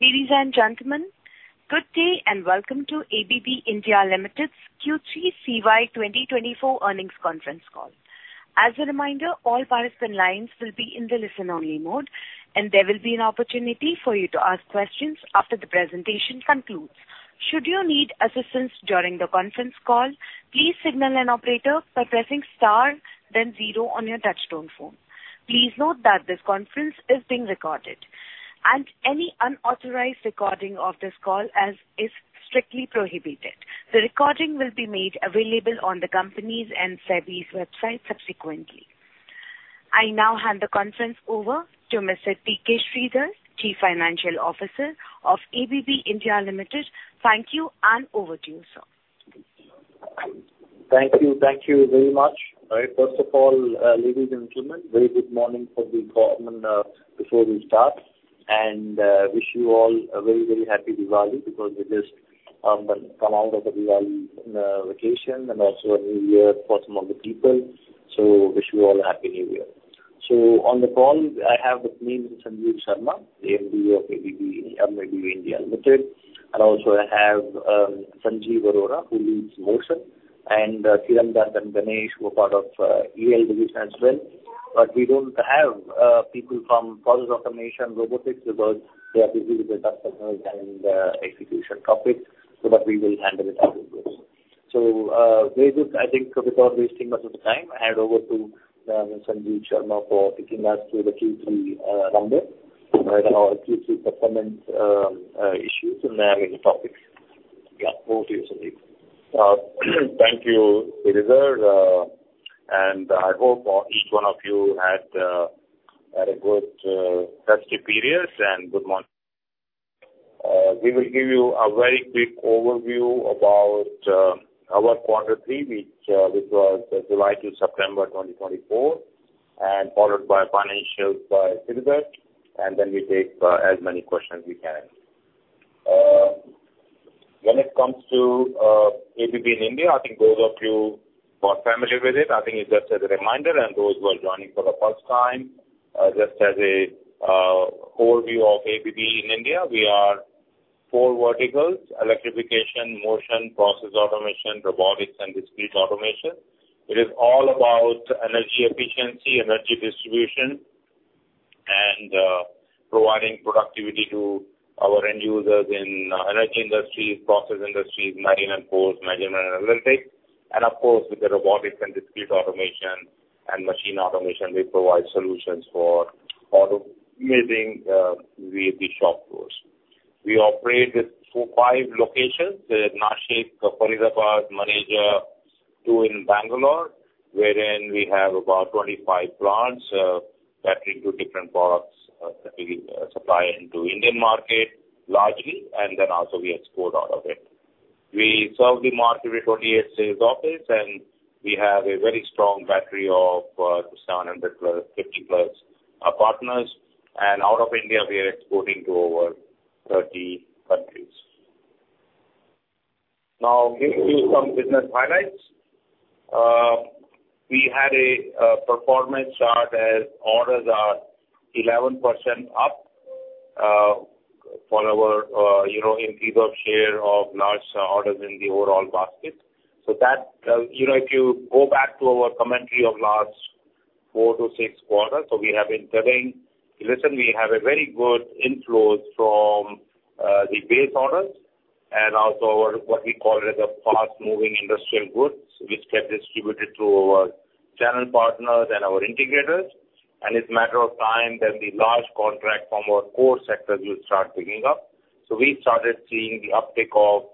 Ladies and gentlemen, good day and welcome to ABB India Limited's Q3CY 2024 earnings conference call. As a reminder, all participant lines will be in the listen-only mode, and there will be an opportunity for you to ask questions after the presentation concludes. Should you need assistance during the conference call, please signal an operator by pressing star, then zero on your touchtone phone. Please note that this conference is being recorded, and any unauthorized recording of this call is strictly prohibited. The recording will be made available on the company's and SEBI's website subsequently. I now hand the conference over to Mr. T.K. Sridhar, Chief Financial Officer of ABB India Limited. Thank you, and over to you, sir. Thank you. Thank you very much. First of all, ladies and gentlemen, very good morning from the management before we start, and I wish you all a very, very happy Diwali because we just come out of a Diwali vacation and also a New Year for some of the people. I wish you all a happy New Year. On the call, I have with me Sanjeev Sharma, the MD of ABB India Limited, and also I have Sanjeev Arora, who leads Motion, and Kiran Dutt and Ganesh, who are part of EL division as well, we don't have people from our Robotics because they are busy with the customers and execution topics, but we will handle it afterwards. Very good. I think without wasting much of the time, I hand over to Sanjeev Sharma for taking us through the Q3 results and our Q3 performance issues and topics. Yeah, over to you, Sanjeev. Thank you, T.K. Sridhar. I hope each one of you had a good festive period and good morning. We will give you a very quick overview about our quarter three, which was July to September 2024, and followed by financials by T.K. Sridhar. Then we take as many questions as we can. When it comes to ABB in India, I think those of you are familiar with it. I think it's just as a reminder, and those who are joining for the first time, just as a overview of ABB in India, we are four verticals: electrification, motion, process automation, robotics, and Discrete Automation. It is all about energy efficiency, energy distribution, and providing productivity to our end users in energy industries, process industries, marine and forest management analytics. Of course, with the robotics and Discrete Automation and machine automation, we provide solutions for automating Fab shop floors. We operate with five locations: Nashik, Faridabad, Maneja, two in Bangalore, wherein we have about 25 plants, that include different products that we supply into the Indian market largely, and then also we export out of it. We serve the market with 28 sales offices, and we have a very strong battery of 750-plus partners. And out of India, we are exporting to over 30 countries. Now, giving you some business highlights, we had a performance chart as orders are 11% up for our in-group share of large orders in the overall basket. So if you go back to our commentary of last four to six quarters, so we have been telling, listen, we have a very good inflow from the base orders and also what we call as the fast-moving industrial goods, which get distributed through our channel partners and our integrators. It's a matter of time that the large contract from our core sectors will start picking up. We started seeing the uptake of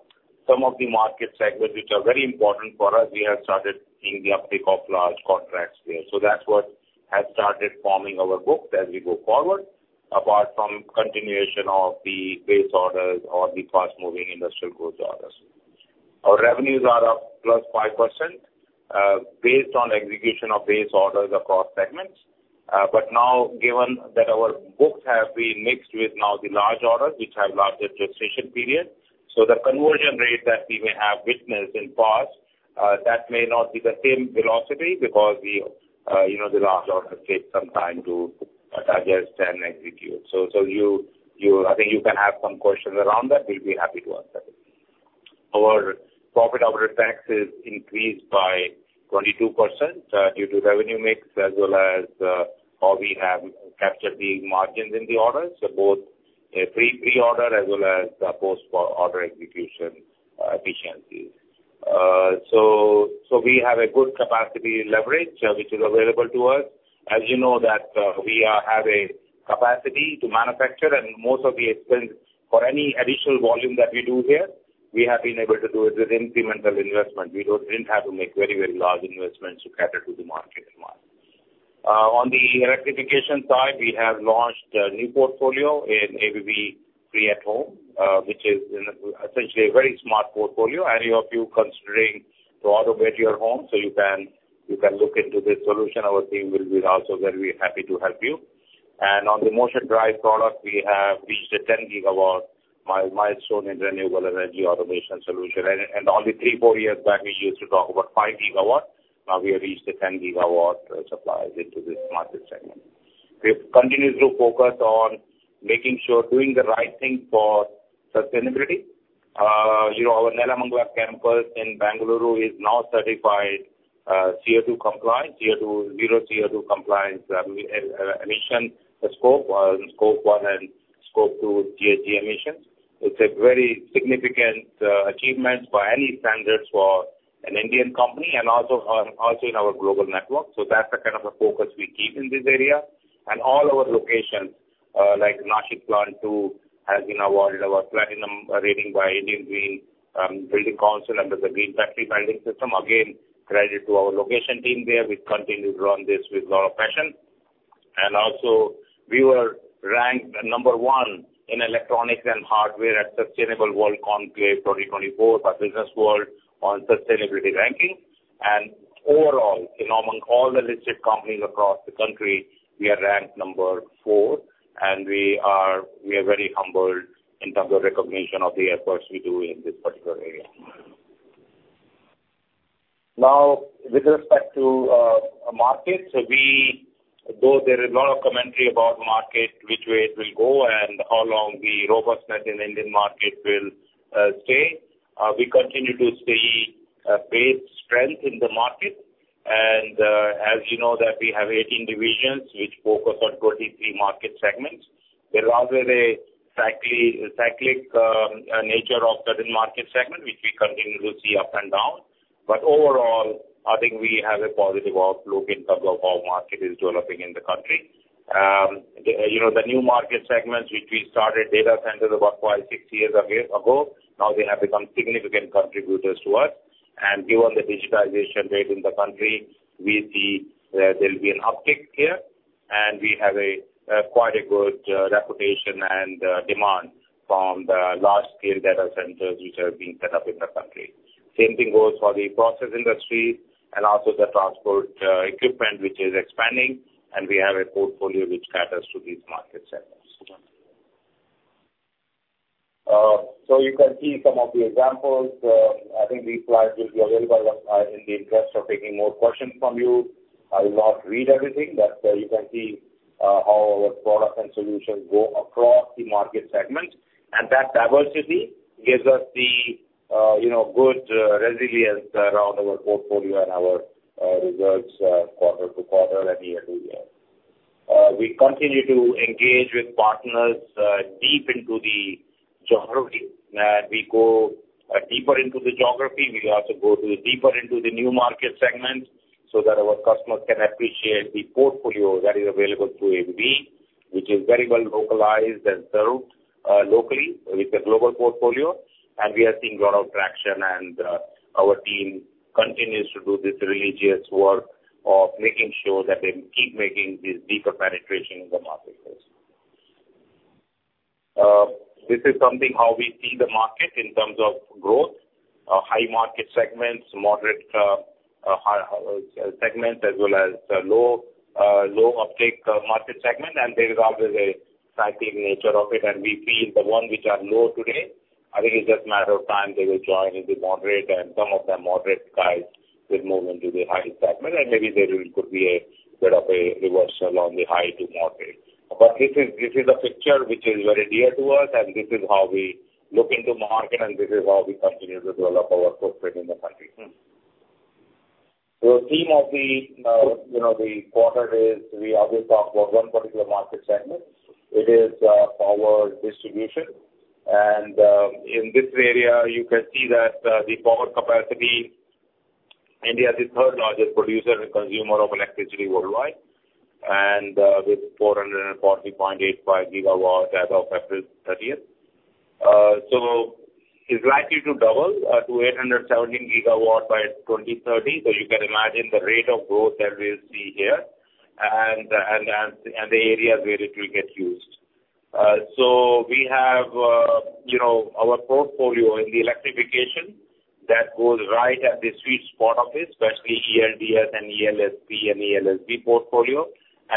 some of the market segments, which are very important for us. We have started seeing the uptake of large contracts here. That's what has started forming our book as we go forward, apart from continuation of the base orders or the fast-moving industrial goods orders. Our revenues are up plus 5% based on execution of base orders across segments. Now, given that our books have been mixed with now the large orders, which have larger gestation periods, so the conversion rate that we may have witnessed in the past, that may not be the same velocity because the large orders take some time to digest and execute. I think you can have some questions around that. We'll be happy to answer it. Our profit before tax is increased by 22% due to revenue mix as well as how we have captured the margins in the orders, both pre-order as well as post-order execution efficiencies. So we have a good capacity leverage, which is available to us. As you know, we have a capacity to manufacture, and most of the expense for any additional volume that we do here, we have been able to do it with incremental investment. We didn't have to make very, very large investments to cater to the market demand. On the electrification side, we have launched a new portfolio in ABB-free@home, which is essentially a very smart portfolio. Any of you considering to automate your home, so you can look into this solution, our team will be also very happy to help you. On the motion drive product, we have reached a 10 gigawatt milestone in renewable energy automation solution. Only three, four years back, we used to talk about 5 gigawatt. Now we have reached the 10 gigawatt supplies into this market segment. We continue to focus on making sure we're doing the right thing for sustainability. Our Nelamangala campus in Bengaluru is now certified CO2 compliant, CO2 zero, CO2 compliant emission, Scope 1, Scope 2, GHG emissions. It's a very significant achievement by any standards for an Indian company and also in our global network. That's the kind of focus we keep in this area. All our locations, like Nashik plant two, has been awarded our platinum rating by Indian Green Building Council under the Green Factory Building System. Again, credit to our location team there. We continue to run this with a lot of passion. And also, we were ranked number one in Electronics and Hardware at the Sustainability Conclave 2024 by Businessworld on the sustainability ranking. And overall, among all the listed companies across the country, we are ranked number four, and we are very humbled in terms of recognition of the efforts we do in this particular area. Now, with respect to markets, though there is a lot of commentary about the market, which way it will go and how long the robustness in the Indian market will stay, we continue to see base strength in the market. And as you know, we have 18 divisions, which focus on 23 market segments. There is always a cyclic nature of certain market segments, which we continue to see up and down. But overall, I think we have a positive outlook in terms of how the market is developing in the country. The new market segments, which we started data centers about five or six years ago, now they have become significant contributors to us. And given the digitization rate in the country, we see there will be an uptick here. And we have quite a good reputation and demand from the large-scale data centers, which have been set up in the country. Same thing goes for the process industries and also the transport equipment, which is expanding, and we have a portfolio which caters to these market segments. So you can see some of the examples. I think these slides will be available in the interest of taking more questions from you. I will not read everything. You can see how our products and solutions go across the market segments. And that diversity gives us the good resilience around our portfolio and our results quarter to quarter and year to year. We continue to engage with partners deep into the geography. We go deeper into the geography. We also go deeper into the new market segments so that our customers can appreciate the portfolio that is available to ABB, which is very well localized and served locally with the global portfolio. And we are seeing a lot of traction, and our team continues to do this religious work of making sure that they keep making this deeper penetration in the marketplace. This is something how we see the market in terms of growth: high market segments, moderate segments, as well as low uptake market segments. And there is always a cyclic nature of it. And we feel the ones which are low today, I think it's just a matter of time they will join in the moderate, and some of the moderate guys will move into the high segment. Maybe there could be a bit of a reversal on the high to moderate. This is a picture which is very dear to us, and this is how we look into the market, and this is how we continue to develop our footprint in the country. The theme of the quarter is we always talk about one particular market segment. It is power distribution. In this area, you can see that the power capacity, India is the third largest producer and consumer of electricity worldwide and with 440.85 gigawatts as of April 30th. It's likely to double to 817 gigawatts by 2030. You can imagine the rate of growth that we'll see here and the areas where it will get used. We have our portfolio in the electrification that goes right at the sweet spot of it, especially ELDS and ELSP and ELSB portfolio.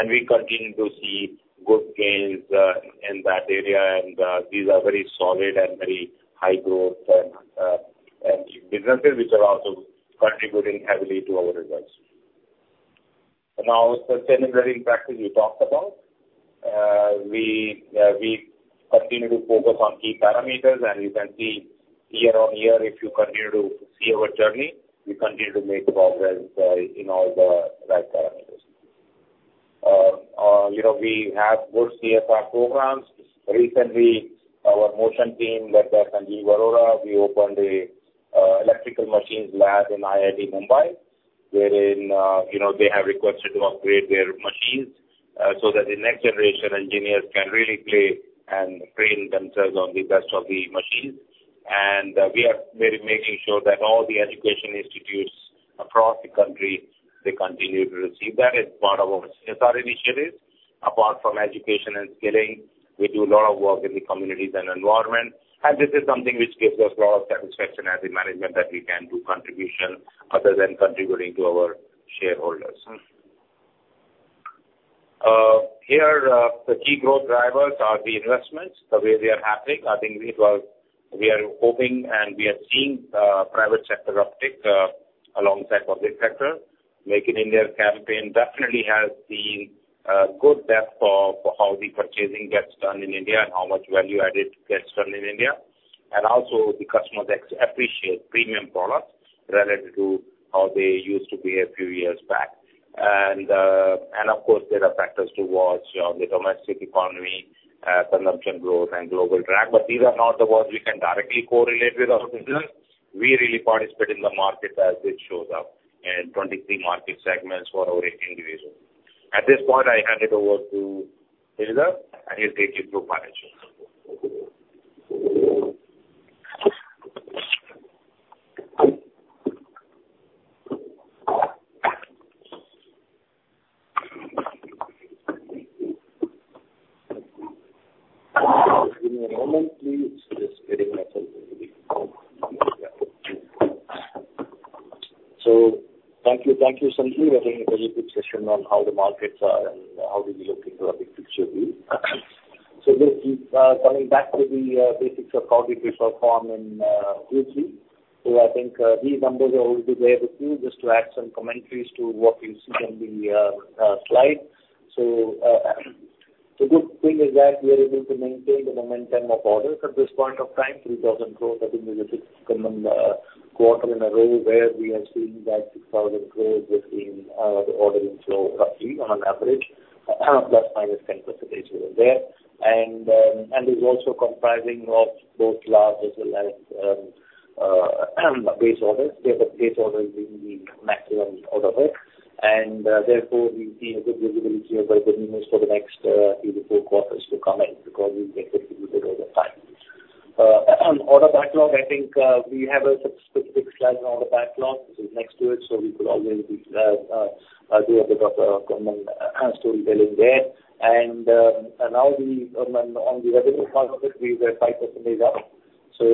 We continue to see good gains in that area. These are very solid and very high-growth businesses, which are also contributing heavily to our results. Now, sustainability and practice we talked about. We continue to focus on key parameters, and you can see year on year, if you continue to see our journey, we continue to make progress in all the right parameters. We have good CSR programs. Recently, our motion team, led by Sanjeev Arora, opened an electrical machines lab in IIT Bombay, wherein they have requested to upgrade their machines so that the next generation engineers can really play and train themselves on the best of the machines. We are making sure that all the education institutes across the country, they continue to receive that as part of our CSR initiatives. Apart from education and skilling, we do a lot of work in the communities and environment, and this is something which gives us a lot of satisfaction as a management that we can do contribution other than contributing to our shareholders. Here, the key growth drivers are the investments, the way they are happening. I think we are hoping and we are seeing private sector uptick alongside public sector. Make in India campaign definitely has the good depth of how the purchasing gets done in India and how much value added gets done in India, and also, the customers appreciate premium products relative to how they used to be a few years back, and of course, there are factors to watch on the domestic economy, consumption growth, and global drag, but these are not the ones we can directly correlate with our business. We really participate in the market as it shows up in 23 market segments for our individuals. At this point, I hand it over to T.K. Sridhar, and he'll take you through financials. Give me a moment, please. Just getting myself into the meeting, so thank you. Thank you, Sanjeev. I think it's a very good session on how the markets are and how we're looking to a big picture view, so just coming back to the basics of how we perform in Q3. I think these numbers are already there with you, just to add some commentaries to what you see on the slide, so the good thing is that we are able to maintain the momentum of orders at this point of time, 30% growth. I think it was the sixth consecutive quarter in a row where we are seeing that 60% growth within the ordering flow, roughly on an average, plus minus 10% here and there. And it's also comprising of both large as well as base orders. Base orders being the maximum out of it. And therefore, we see a good visibility of our good news for the next three to four quarters to come in because we've been executing a bit over time. On order backlog, I think we have a specific slide on order backlog. This is next to it, so we could always do a bit of common storytelling there. And now, on the revenue part of it, we were 5% up. So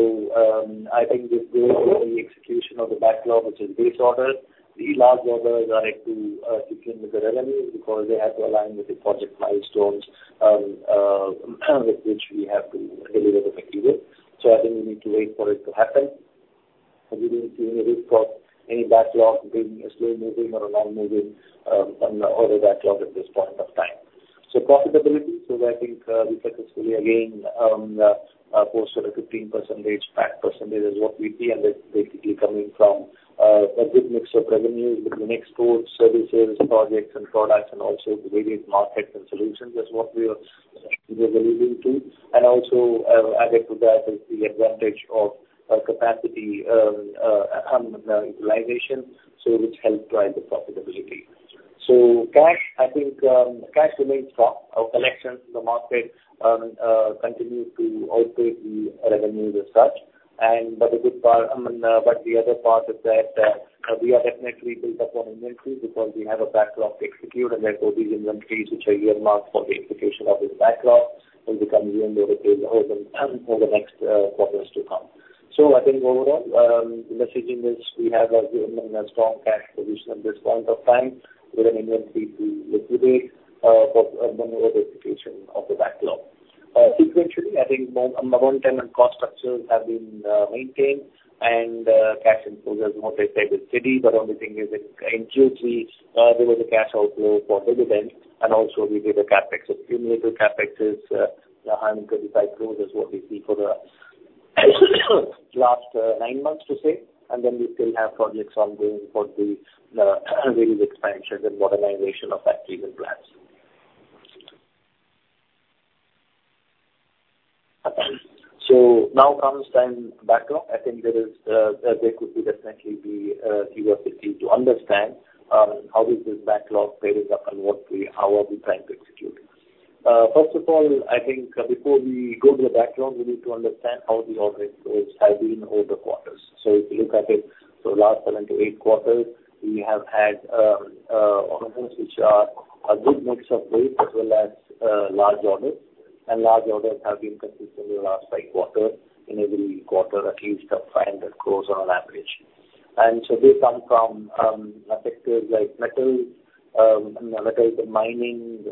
I think this goes to the execution of the backlog, which is base orders. The large orders are to kick in with the revenues because they have to align with the project milestones with which we have to deliver the material. So I think we need to wait for it to happen. We don't see any risk of any backlog being slow-moving or non-moving on the order backlog at this point of time. So profitability, so I think we successfully again posted a 15%, 5% is what we see, and that's basically coming from a good mix of revenues between exports, services, projects, and products, and also the various markets and solutions is what we are alluding to. And also, added to that is the advantage of capacity utilization, so which helps drive the profitability. So cash, I think cash remains strong. Our collections in the market continue to outpace the revenues as such. But the other part is that we are definitely built upon inventory because we have a backlog to execute. And therefore, these inventories, which are earmarked for the execution of this backlog, will become earmarked over the next quarters to come. So I think overall, the message in this, we have a strong cash position at this point of time with an inventory to liquidate for the execution of the backlog. Sequentially, I think momentum and cost structures have been maintained, and cash exposure is more stable steady. But the only thing is, in Q3, there was a cash outflow for dividends, and also we did a CapEx accumulated. CapEx is 125 crore for the last nine months, to say. And then we still have projects ongoing for the various expansions and modernization of factories and plants. So now comes time backlog. I think there could be definitely the urgency to understand how is this backlog building up and how are we trying to execute it. First of all, I think before we go to the backlog, we need to understand how the order inflows have been over the quarters. If you look at it, last seven to eight quarters, we have had orders which are a good mix of both as well as large orders. Large orders have been consistently around five quarters in every quarter, at least 500 crores on average. They come from sectors like metals, mining,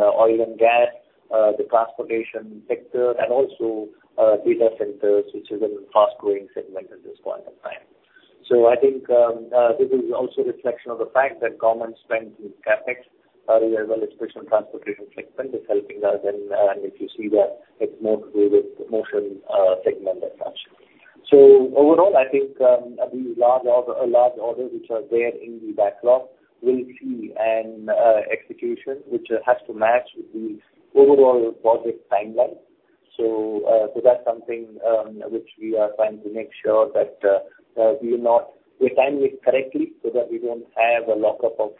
oil, and gas, the transportation sector, and also data centers, which is a fast-growing segment at this point of time. I think this is also a reflection of the fact that customer spend in CapEx as well as traditional transportation segment is helping us. If you see that, it's more to do with the motion segment as such. Overall, I think these large orders which are there in the backlog will see an execution which has to match the overall project timeline. That's something which we are trying to make sure that we are not timing it correctly so that we don't have a lockup of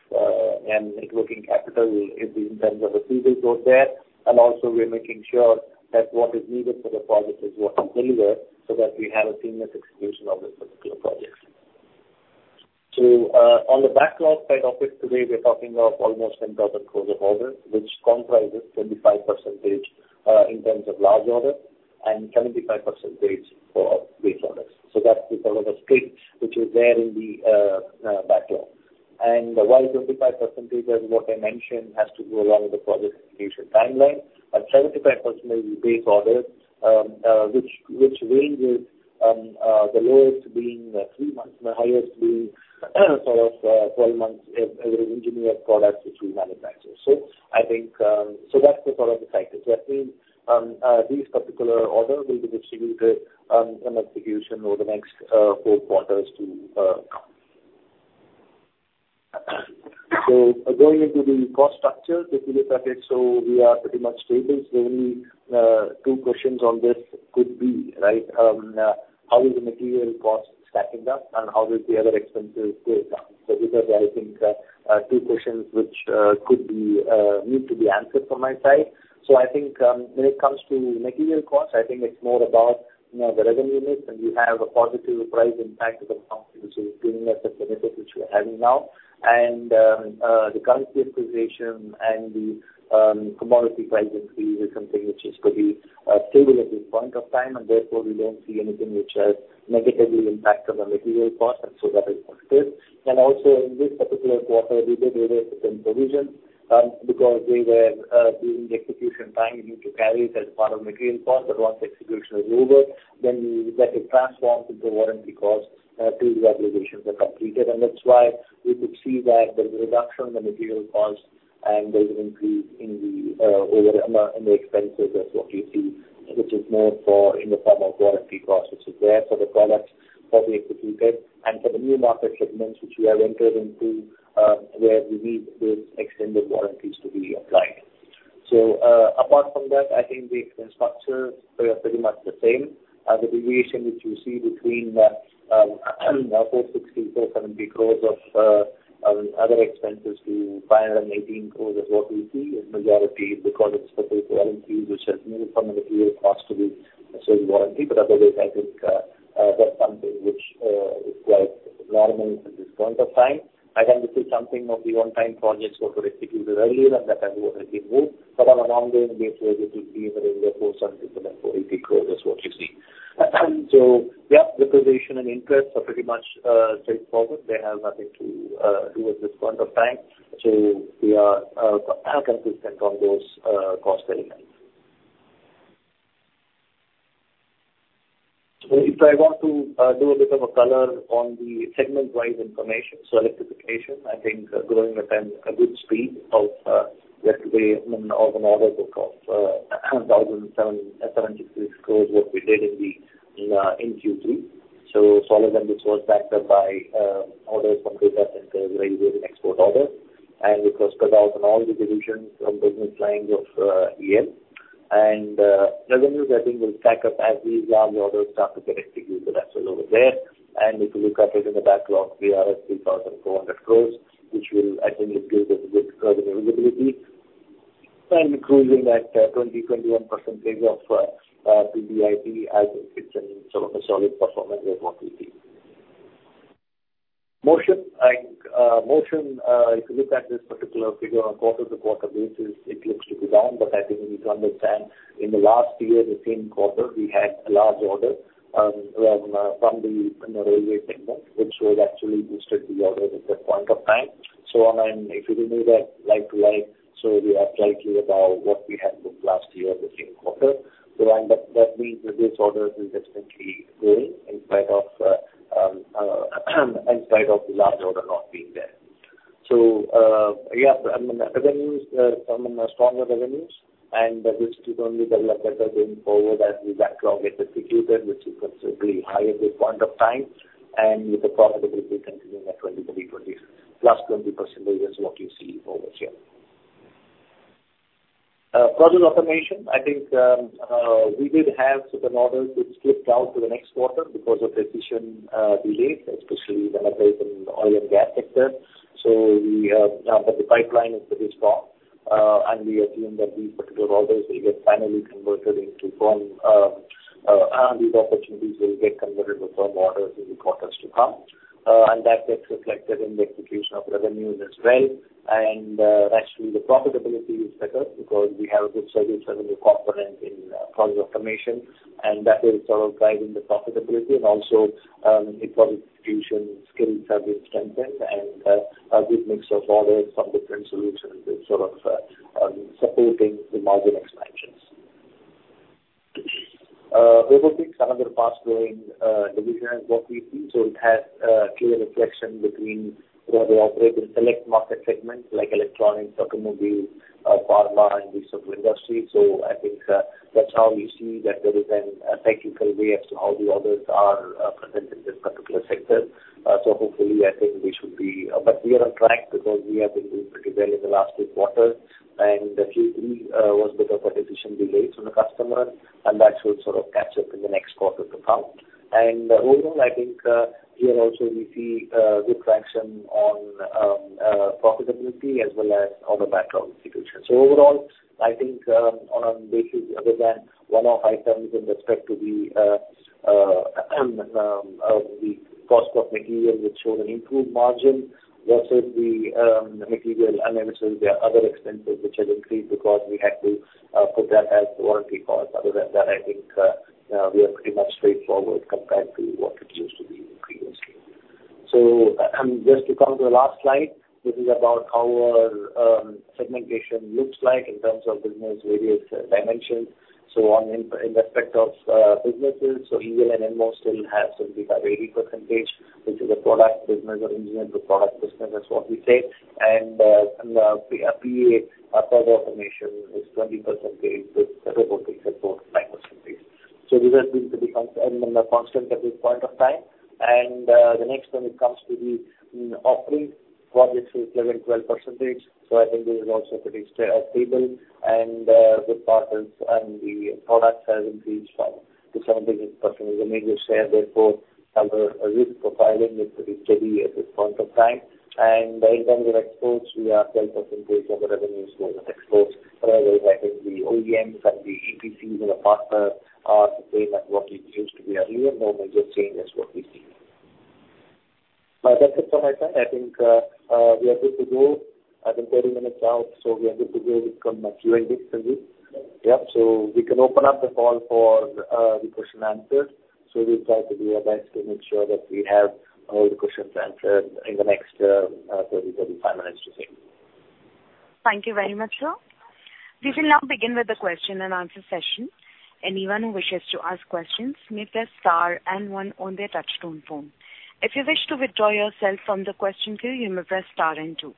working capital in terms of the people go there. And also, we're making sure that what is needed for the project is what is delivered so that we have a seamless execution of this particular project. On the backlog side of it today, we're talking of almost 10,000 crores of orders, which comprises 25% in terms of large orders and 75% for base orders. That's the sort of a split which is there in the backlog. And while 25% is what I mentioned, has to go along with the project execution timeline, but 75% is base orders, which ranges the lowest being three months and the highest being sort of 12 months as an engineered product which we manufacture. So I think so that's the sort of the cycle. So I think these particular orders will be distributed and executed over the next four quarters to come. So going into the cost structure, so if you look at it, so we are pretty much stable. So only two questions on this could be, right? How is the material cost stacking up, and how does the other expenses go down? So these are the, I think, two questions which could be need to be answered from my side. I think when it comes to material costs, I think it's more about the revenue mix, and we have a positive price impact of the company, so it's giving us the benefit which we're having now. The currency appreciation and the commodity price increase is something which is pretty stable at this point of time. Therefore, we don't see anything which has negatively impacted the material cost, and so that is positive. Also, in this particular quarter, we did await the provision because they were doing the execution time. We need to carry it as part of material cost. Once the execution is over, that is transformed into warranty costs till the obligations are completed. And that's why we could see that there's a reduction in the material costs and there's an increase in the expenses as what you see, which is more in the form of warranty costs, which is there for the products that we executed. And for the new market segments, which we have entered into, where we need those extended warranties to be applied. So apart from that, I think the expense structures are pretty much the same. The deviation which you see between 460-470 crores of other expenses to 518 crores is what we see is majority because it's focused warranties, which has made it from a material cost to be a sole warranty. But otherwise, I think that's something which is quite normal at this point of time. I can just say something of the on-time projects were executed earlier and that has already moved. But on an ongoing basis, it is being around INR 470-480 crores is what you see. So yeah, the provision and interests are pretty much straightforward. They have nothing to do with this point of time. So we are consistent on those cost elements. So if I want to do a bit of a color on the segment-wise information, so electrification, I think growing at a good speed of let's say of an order book of 1,766 crores is what we did in Q3. So solid and this was backed up by orders from data centers, rail and export orders. And it was across all the divisions and business lines of EL. And revenues, I think, will stack up as these large orders start to get executed as well over there. And if you look at it in the backlog, we are at 3,400 crores, which will, I think, give us good revenue visibility. And cruising at 20-21% of PBIT, I think it's in sort of a solid performance of what we see. Motion, I think motion, if you look at this particular figure on quarter-to-quarter basis, it looks to be down. But I think we need to understand in the last year, the same quarter, we had a large order from the railway segment, which was actually boosted the orders at that point of time. So if you remove that line to line, so we are slightly above what we had booked last year in the same quarter. So that means that this order is definitely growing in spite of the large order not being there. So yeah, revenues, stronger revenues, and this is only going to be better going forward as the backlog is executed, which is considerably high at this point of time. And with the profitability continuing at 23, 20 plus 20%. Process Automation, I think we did have an order which slipped out to the next quarter because of decision delays, especially when it was in the oil and gas sector. So the pipeline is pretty strong. And we assume that these particular orders will get finally converted into firm orders. These opportunities will get converted to firm orders in the quarters to come. And that gets reflected in the execution of revenues as well. And actually, the profitability is better because we have a good service revenue component in Project Automation. And that is sort of driving the profitability. Also, in project execution, skills have been strengthened. A good mix of orders from different solutions is sort of supporting the margin expansions. Robotics, another fast-growing division is what we see. So it has clear reflection between where they operate in select market segments like electronics, automobiles, pharma, and these sort of industries. So I think that's how we see that there is a cyclical way as to how the orders are presented in this particular sector. So hopefully, I think we should be, but we are on track because we have been doing pretty well in the last two quarters. And Q3 was a bit of a decision delay from the customer. And that should sort of catch up in the next quarter to come. And overall, I think here also we see good traction on profitability as well as on the backlog execution. Overall, I think on a basis other than one-off items with respect to the cost of material, which showed an improved margin. Was it the material and eventually the other expenses, which have increased because we had to put that as warranty costs? Other than that, I think we are pretty much straightforward compared to what it used to be previously. Just to come to the last slide, this is about how our segmentation looks like in terms of business, various dimensions. In the aspect of businesses, EL and MO still have 75-80%, which is a product business or ETO product business, that's what we say. And PA, Process Automation, is 20% with robotics at 45%. These have been pretty constant at this point of time. The next one, it comes to the offerings, projects is 11-12%. So I think this is also pretty stable. And good part is the products have increased from to 70% is a major share. Therefore, our risk profiling is pretty steady at this point of time. And in terms of exports, we are 12% of the revenues going to exports. Whereas I think the OEMs and the EPCs and the partners are the same as what it used to be earlier. No major change is what we see. That's it from my side. I think we are good to go. I think 30 minutes out, so we are good to go with Q&A today. Yeah, so we can open up the call for the question and answers. So we'll try to do our best to make sure that we have all the questions answered in the next 30, 35 minutes to say. Thank you very much, sir. We will now begin with the question and answer session. Anyone who wishes to ask questions may press star and one on their touch-tone phone. If you wish to withdraw yourself from the question queue, you may press star and two.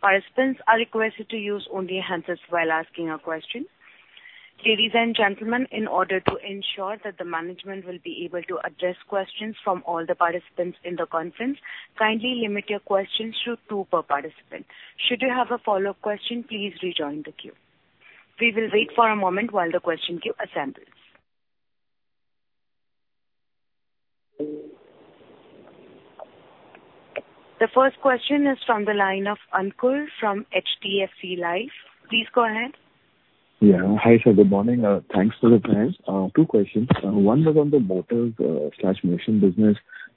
Participants are requested to use only handsets while asking a question. Ladies and gentlemen, in order to ensure that the management will be able to address questions from all the participants in the conference, kindly limit your questions to two per participant. Should you have a follow-up question, please rejoin the queue. We will wait for a moment while the question queue assembles. The first question is from the line of Ankur from HDFC Life. Please go ahead. Yeah, hi sir, good morning. Thanks for the time. Two questions. One was on the motors/Motion business.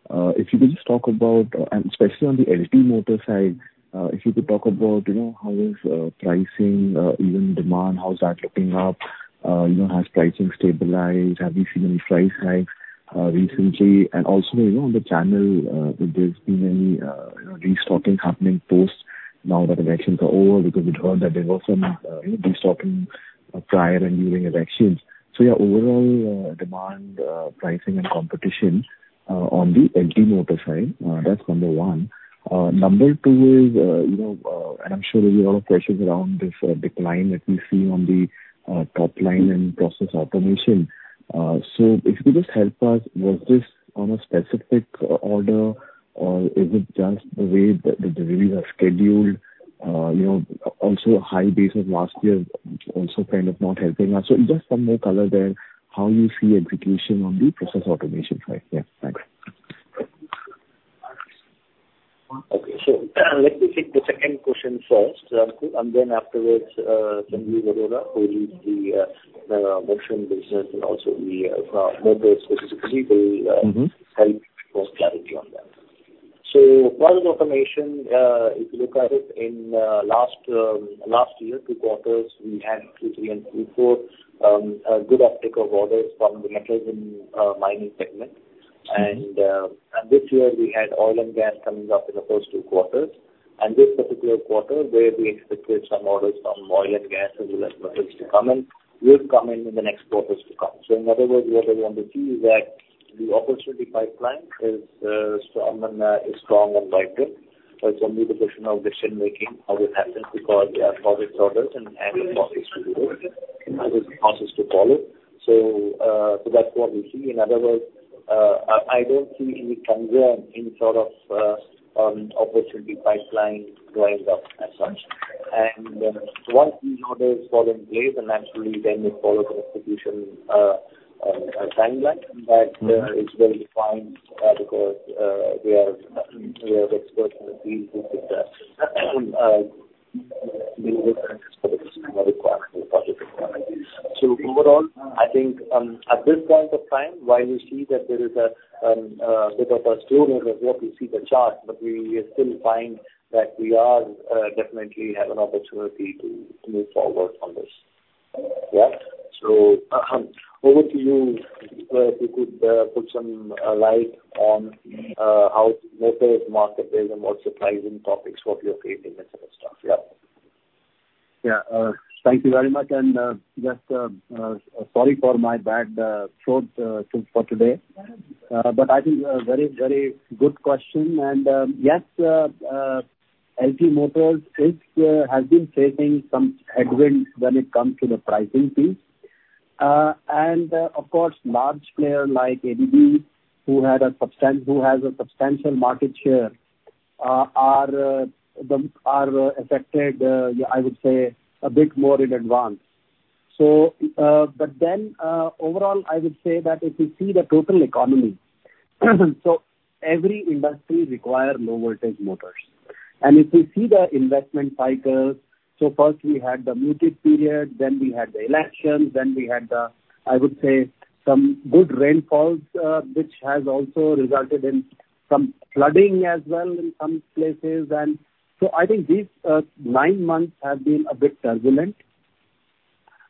If you could just talk about, and especially on the LT motor side, if you could talk about how is pricing, even demand, how's that looking up? Has pricing stabilized? Have we seen any price hikes recently? And also on the channel, if there's been any restocking happening post now that elections are over, because we've heard that there was some restocking prior and during elections. So yeah, overall demand, pricing, and competition on the LT motor side, that's number one. Number two is, and I'm sure there'll be a lot of questions around this decline that we see on the top line and process automation. So if you could just help us, was this on a specific order, or is it just the way that the deliveries are scheduled? Also, high base of last year also kind of not helping us. So, just some more color there, how you see execution on the process automation side. Yeah, thanks. Okay, so let me take the second question first, Ankur, and then afterwards, Sanjeev Arora, who leads the motion business and also the motors specifically, will help for clarity on that. So process automation, if you look at it in last year, two quarters, we had Q3 and Q4, good uptake of orders from the metals and mining segment. And this year, we had oil and gas coming up in the first two quarters. And this particular quarter, where we expected some orders from oil and gas as well as metals to come in, will come in in the next quarters to come. So in other words, what I want to see is that the opportunity pipeline is strong and vibrant. It's only the question of decision-making how this happens because we have project orders and process to do this, and there's process to follow. So that's what we see. In other words, I don't see any conglomerate, any sort of opportunity pipeline going up as such. And once these orders fall in place, then naturally, then we follow the execution timeline that is well-defined because we are experts in the field with the specific requirements of the project requirements. So overall, I think at this point of time, while we see that there is a bit of a slow move, as what we see in the chart, but we still find that we definitely have an opportunity to move forward on this. Yeah, so over to you, if you could put some light on how motors market is and what surprising topics, what you're facing, etc. stuff. Yeah. Yeah, thank you very much. And just sorry for my bad throat for today. But I think very, very good question. And yes, LT motors has been facing some headwinds when it comes to the pricing piece. And of course, large players like ABB, who has a substantial market share, are affected, I would say, a bit more in advance. But then overall, I would say that if you see the total economy, so every industry requires low-voltage motors. And if we see the investment cycles, so first we had the muted period, then we had the elections, then we had the, I would say, some good rainfalls, which has also resulted in some flooding as well in some places. And so I think these nine months have been a bit turbulent.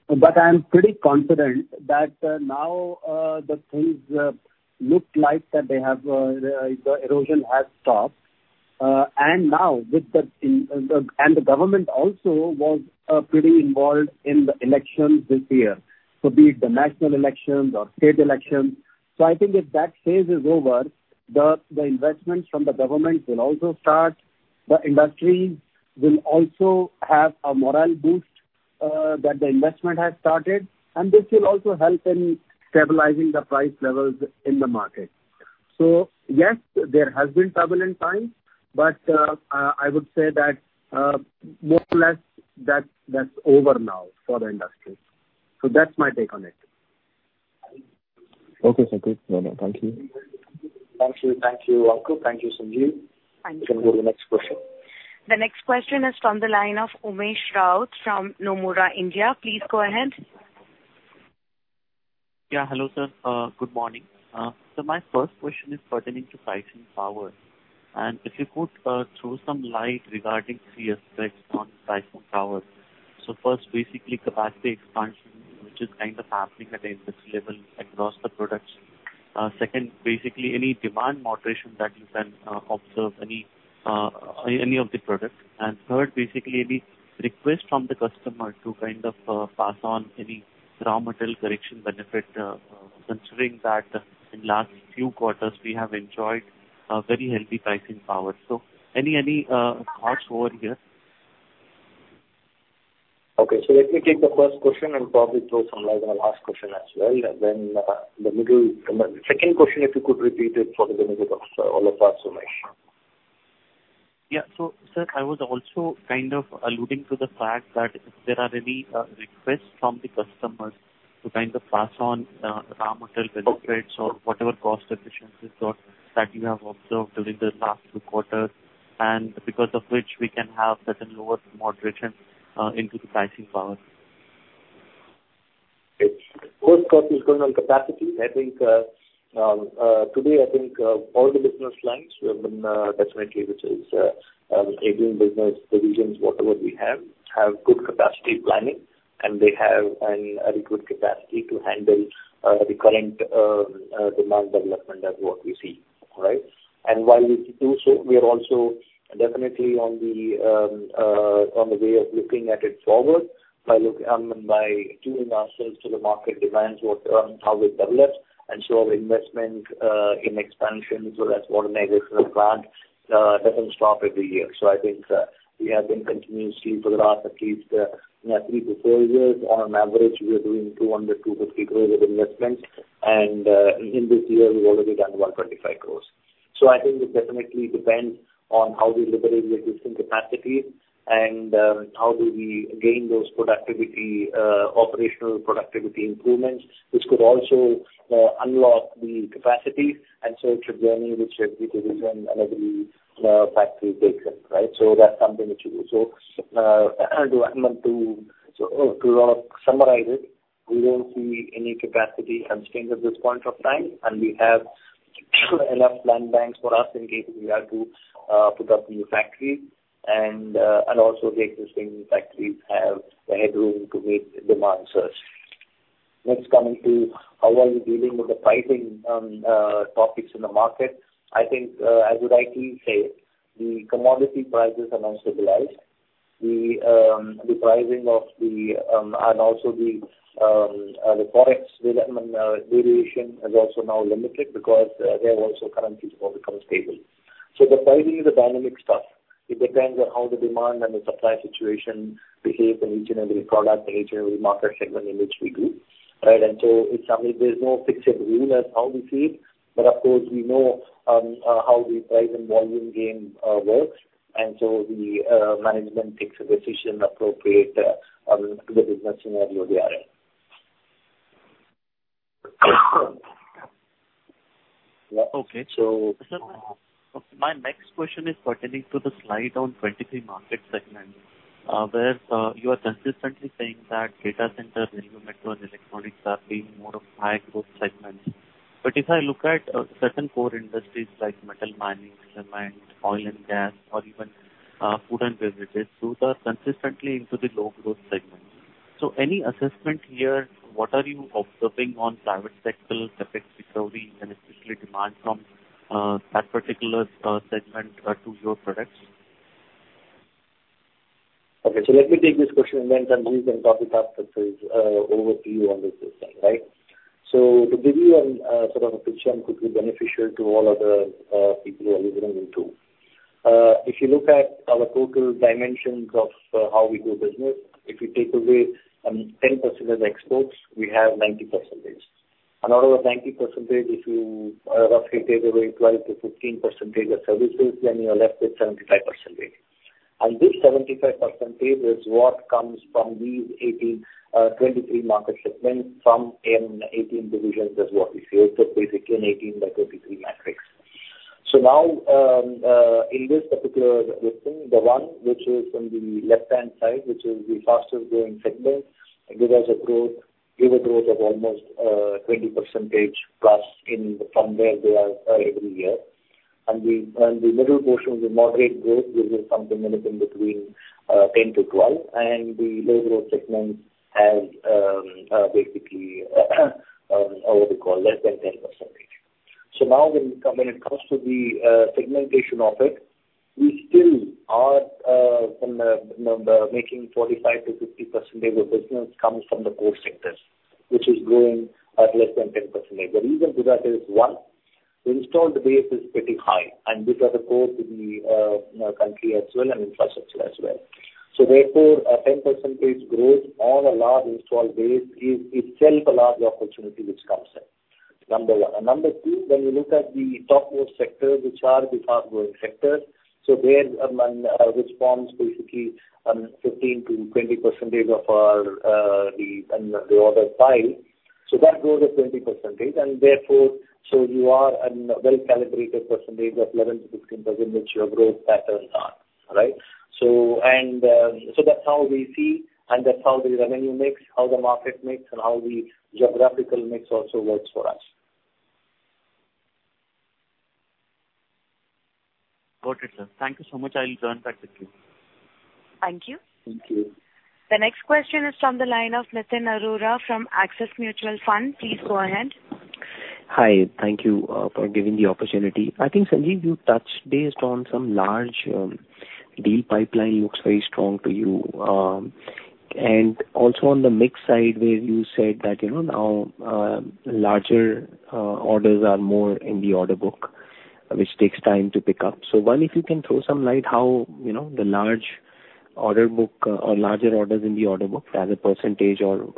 But I'm pretty confident that now the things look like that the erosion has stopped. And now with the government also was pretty involved in the elections this year, so be it the national elections or state elections. So I think if that phase is over, the investments from the government will also start. The industries will also have a morale boost that the investment has started. And this will also help in stabilizing the price levels in the market. So yes, there has been turbulent times, but I would say that more or less that's over now for the industry. So that's my take on it. Okay, so good. Thank you. Thank you, Ankur. Thank you, Sanjeev Arora. Thank you. You can go to the next question. The next question is from the line of Umesh Raut from Nomura India. Please go ahead. Yeah, hello sir. Good morning. So my first question is pertaining to pricing power. And if you could throw some light regarding three aspects on pricing power. So first, basically, capacity expansion, which is kind of happening at an industry level across the products. Second, basically, any demand moderation that you can observe any of the products. And third, basically, any request from the customer to kind of pass on any raw material correction benefit, considering that in the last few quarters, we have enjoyed very healthy pricing power. So any thoughts over here? Okay, so let me take the first question and probably throw some light on the last question as well. Then the middle second question, if you could repeat it for the benefit of all of us, Umesh. Yeah, so sir, I was also kind of alluding to the fact that there are any requests from the customers to kind of pass on raw material benefits or whatever cost efficiencies that you have observed during the last two quarters, and because of which we can have such a lower moderation into the pricing power. First thought is going on capacity. I think today, I think all the business lines who have been definitely, which is aging business divisions, whatever we have, have good capacity planning, and they have a good capacity to handle the current demand development as what we see, right? And while we do so, we are also definitely on the way of looking at it forward by tuning ourselves to the market demands, how we develop, and show our investment in expansion so that modernization of the plant doesn't stop every year. I think we have been continuously for the last at least three to four years, on an average, we are doing 200-250 crores of investments. And in this year, we've already done 125 crores. I think it definitely depends on how we liberate the existing capacity and how do we gain those operational productivity improvements, which could also unlock the capacity. And so it's a journey which we could do, and every factory breakdown, right? That's something which we will do. To summarize it, we don't see any capacity constraints at this point of time, and we have enough land banks for us in case we have to put up new factories. And also, the existing factories have the headroom to meet demand surge. Next, coming to how we are dealing with the pricing topics in the market, I think, as would it say, the commodity prices have now stabilized. The pricing and also the forex variation is also now limited because they have also currently become stable. So the pricing is a dynamic stuff. It depends on how the demand and the supply situation behaves in each and every product, in each and every market segment in which we do, right? And so there's no fixed rule as how we see it. But of course, we know how the price and volume game works, and so the management takes a decision appropriate to the business scenario they are in. Yeah, so my next question is pertaining to the slide on 23 market segments, where you are consistently saying that data center, radio network, and electronics are being more of high-growth segments. But if I look at certain core industries like metal, mining, cement, oil and gas, or even food and beverages, those are consistently into the low-growth segments. So any assessment here, what are you observing on private sector effects recovery and especially demand from that particular segment to your products? Okay, so let me take this question, and then Sanjeev can copy that and pass it over to you on this thing, right? So to give you a sort of a picture, and it could be beneficial to all of the people who are listening in too, if you look at our total dimensions of how we do business, if you take away 10% of exports, we have 90%. And out of that 90%, if you roughly take away 12%-15% of services, then you're left with 75%. And this 75% is what comes from these 23 market segments from 18 divisions, is what we see. It's basically an 18 by 23 matrix. So now, in this particular listing, the one which is on the left-hand side, which is the fastest growing segment, gave us a growth of almost 20% plus in the firm where they are every year. And the middle portion with moderate growth, which is something in between 10% to 12%, and the low-growth segment has basically, what we call, less than 10%. So now when it comes to the segmentation of it, we still are making 45%-50% of the business comes from the core sectors, which is growing at less than 10%. The reason for that is, one, the installed base is pretty high, and this is core to the country as well and infrastructure as well. So therefore, a 10% growth on a large installed base is itself a large opportunity which comes in. Number one. Number two, when you look at the top growth sectors, which are the fast-growing sectors, so there's one which forms basically 15%-20% of the order pile. So that grows at 20%. And therefore, so you are a well-calibrated percentage of 11%-15% of growth patterns are, right? And so that's how we see, and that's how the revenue mix, how the market mix, and how the geographical mix also works for us. Got it, sir. Thank you so much. I'll turn back to you. Thank you. Thank you. The next question is from the line of Nitin Arora from Axis Mutual Fund. Please go ahead. Hi, thank you for giving the opportunity. I think, Sanjeev, you touched based on some large deal pipeline looks very strong to you. And also on the mix side, where you said that now larger orders are more in the order book, which takes time to pick up. So one, if you can throw some light how the large order book or larger orders in the order book has a percentage or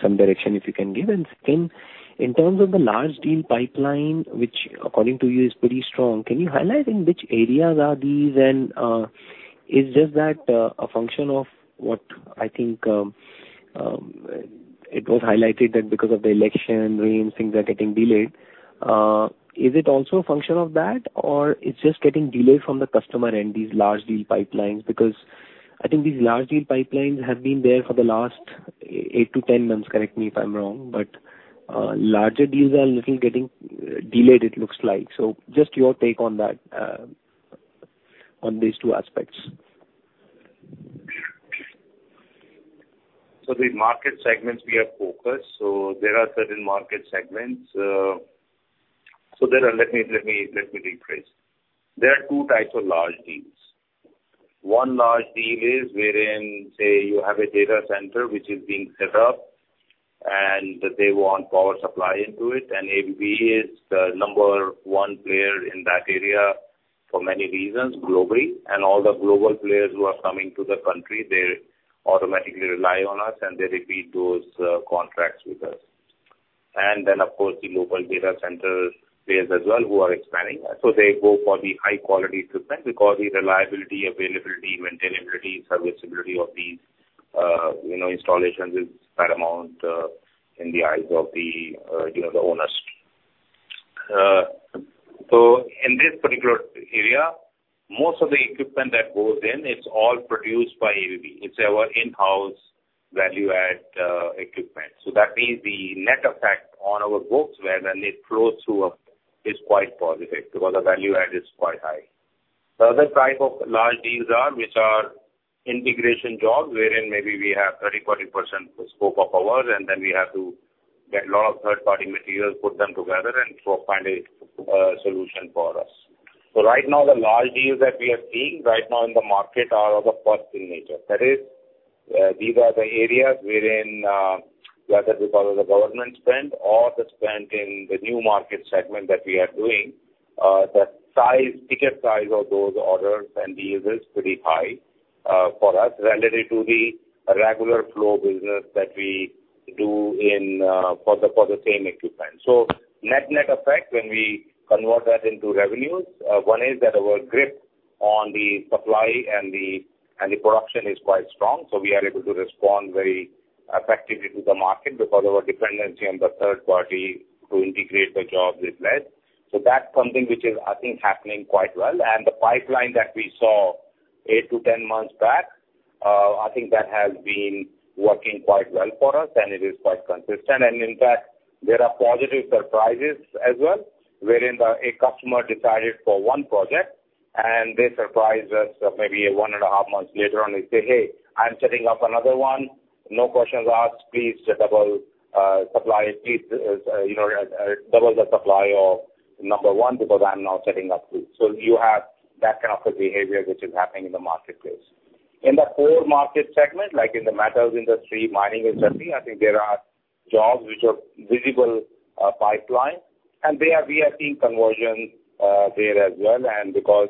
some direction if you can give. And second, in terms of the large deal pipeline, which according to you is pretty strong, can you highlight in which areas are these? And is just that a function of what I think it was highlighted that because of the election, rains, things are getting delayed. Is it also a function of that, or it's just getting delayed from the customer end, these large deal pipelines? Because I think these large deal pipelines have been there for the last eight to 10 months. Correct me if I'm wrong, but larger deals are a little getting delayed, it looks like, so just your take on that, on these two aspects. So the market segments we have focused, so there are certain market segments, so let me rephrase. There are two types of large deals. One large deal is wherein, say, you have a data center which is being set up, and they want power supply into it. And ABB is the number one player in that area for many reasons globally. And all the global players who are coming to the country, they automatically rely on us, and they repeat those contracts with us. And then, of course, the local data center players as well who are expanding. So they go for the high-quality equipment because the reliability, availability, maintainability, serviceability of these installations is paramount in the eyes of the owners. So in this particular area, most of the equipment that goes in, it's all produced by ABB. It's our in-house value-add equipment. So that means the net effect on our books where then it flows through is quite positive because the value-add is quite high. The other type of large deals are which are integration jobs, wherein maybe we have 30%-40% scope of ours, and then we have to get a lot of third-party materials, put them together, and find a solution for us. So right now, the large deals that we are seeing right now in the market are of a fused nature. That is, these are the areas wherein, whether because of the government spend or the spend in the new market segment that we are doing, the ticket size of those orders and deals is pretty high for us relative to the regular flow business that we do for the same equipment. So, net effect, when we convert that into revenues, one is that our grip on the supply and the production is quite strong. So we are able to respond very effectively to the market because of our dependency on the third party to integrate the jobs is less. So that's something which is, I think, happening quite well. And the pipeline that we saw eight to 10 months back, I think that has been working quite well for us, and it is quite consistent. In fact, there are positive surprises as well, wherein a customer decided for one project, and they surprised us maybe one and a half months later on. They say, "Hey, I'm setting up another one. No questions asked. Please double supply. Please double the supply of number one because I'm now setting up two." So you have that kind of behavior which is happening in the marketplace. In the core market segment, like in the metals industry, mining industry, I think there are jobs which are visible pipelines. And we are seeing conversions there as well. And because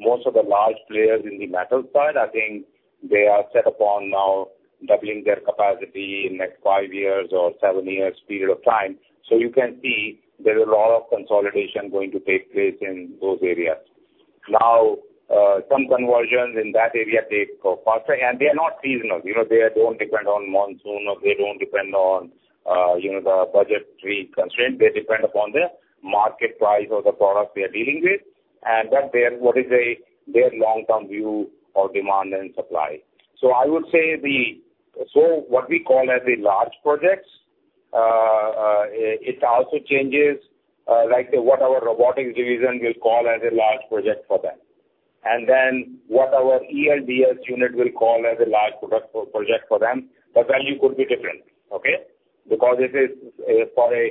most of the large players in the metals side, I think they are set upon now doubling their capacity in the next five years or seven years period of time. So you can see there's a lot of consolidation going to take place in those areas. Now, some conversions in that area take faster, and they are not seasonal. They don't depend on monsoon, or they don't depend on the budgetary constraint. They depend upon the market price of the product they are dealing with, and that's what is a long-term view of demand and supply. So I would say the so what we call as the large projects, it also changes like what our robotics division will call as a large project for them. And then what our ELDS unit will call as a large project for them, the value could be different, okay? Because if it's for a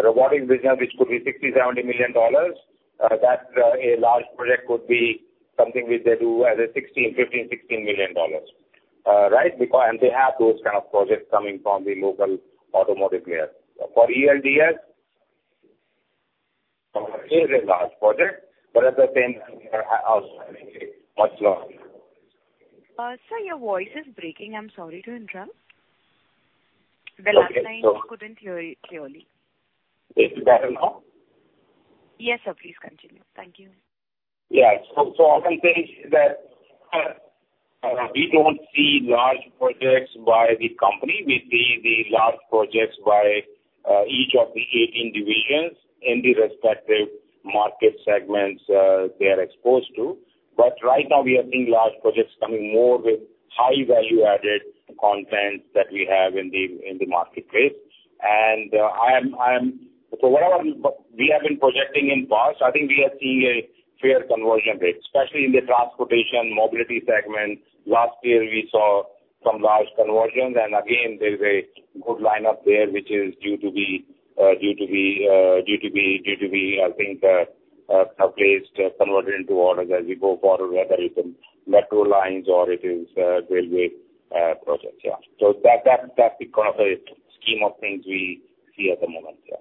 robotics business, which could be $60-$70 million, that a large project could be something which they do as a $15-$16 million, right? And they have those kind of projects coming from the local automotive players. For ELDS, it is a large project, but at the same time, much larger. Sir, your voice is breaking. I'm sorry to interrupt. The line sounds good and clearly. Is it better now? Yes, sir. Please continue. Thank you. Yeah. So I can say that we don't see large projects by the company. We see the large projects by each of the 18 divisions in the respective market segments they are exposed to. But right now, we are seeing large projects coming more with high value-added content that we have in the marketplace. And for whatever we have been projecting in past, I think we are seeing a fair conversion rate, especially in the transportation, mobility segment. Last year, we saw some large conversions. Again, there is a good lineup there, which is due to be, I think, placed, converted into orders as we go forward, whether it's metro lines or it is railway projects. Yeah. So that's the kind of a scheme of things we see at the moment. Yeah.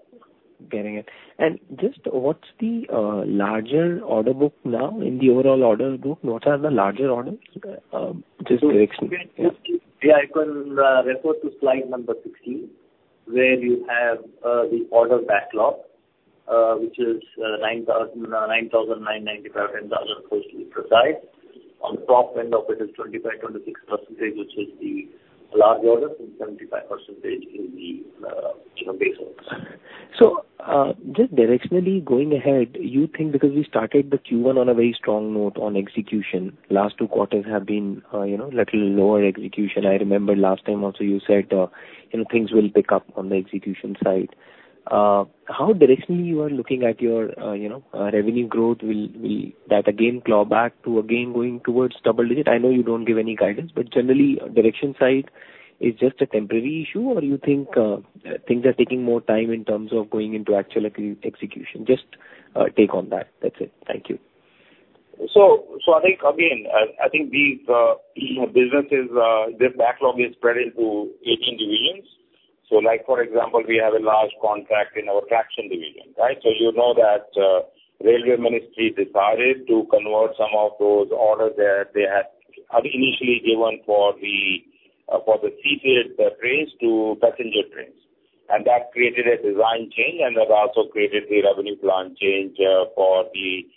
Getting it. And just what's the larger order book now in the overall order book? What are the larger orders? Just directions. Yeah. I can refer to slide number 16, where you have the order backlog, which is 9,995, 10,000 per slide. On the top end of it is 25-26%, which is the large orders, and 75% is the base. So just directionally going ahead, you think because we started the Q1 on a very strong note on execution, last two quarters have been a little lower execution. I remember last time also you said things will pick up on the execution side. How directionally you are looking at your revenue growth? Will that again claw back to again going towards double digit? I know you don't give any guidance, but generally, direction side is just a temporary issue, or you think things are taking more time in terms of going into actual execution? Just take on that. That's it. Thank you. So I think, again, I think these businesses, their backlog is spread into 18 divisions. So for example, we have a large contract in our traction division, right? So you know that the railway ministry decided to convert some of those orders that they had initially given for the seated trains to passenger trains. And that created a design change, and that also created the revenue plan change for the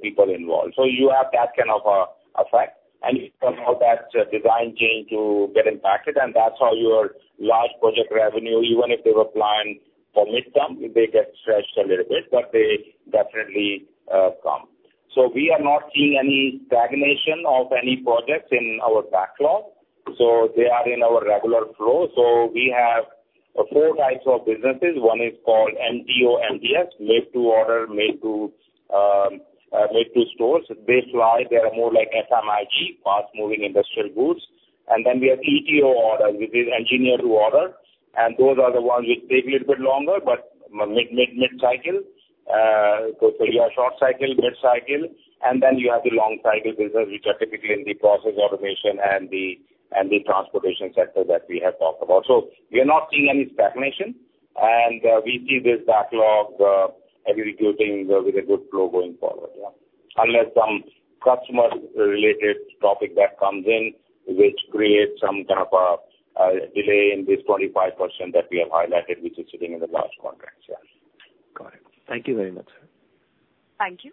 people involved. So you have that kind of effect. And you can call that design change to get impacted. And that's how your large project revenue, even if they were planned for midterm, they get stretched a little bit, but they definitely come. So we are not seeing any stagnation of any projects in our backlog. So they are in our regular flow. So we have four types of businesses. One is called MTO, MTS, made-to-order, made-to-stock. Basically, they are more like FMIG, fast-moving industrial goods. And then we have ETO orders, which is engineer-to-order. And those are the ones which take a little bit longer, but mid-cycle. So you have short cycle, mid-cycle. And then you have the long cycle business, which are typically in the process automation and the transportation sector that we have talked about. So we are not seeing any stagnation. And we see this backlog executing with a good flow going forward, yeah, unless some customer-related topic that comes in, which creates some kind of a delay in this 25% that we have highlighted, which is sitting in the large contracts. Yeah. Got it. Thank you very much. Thank you.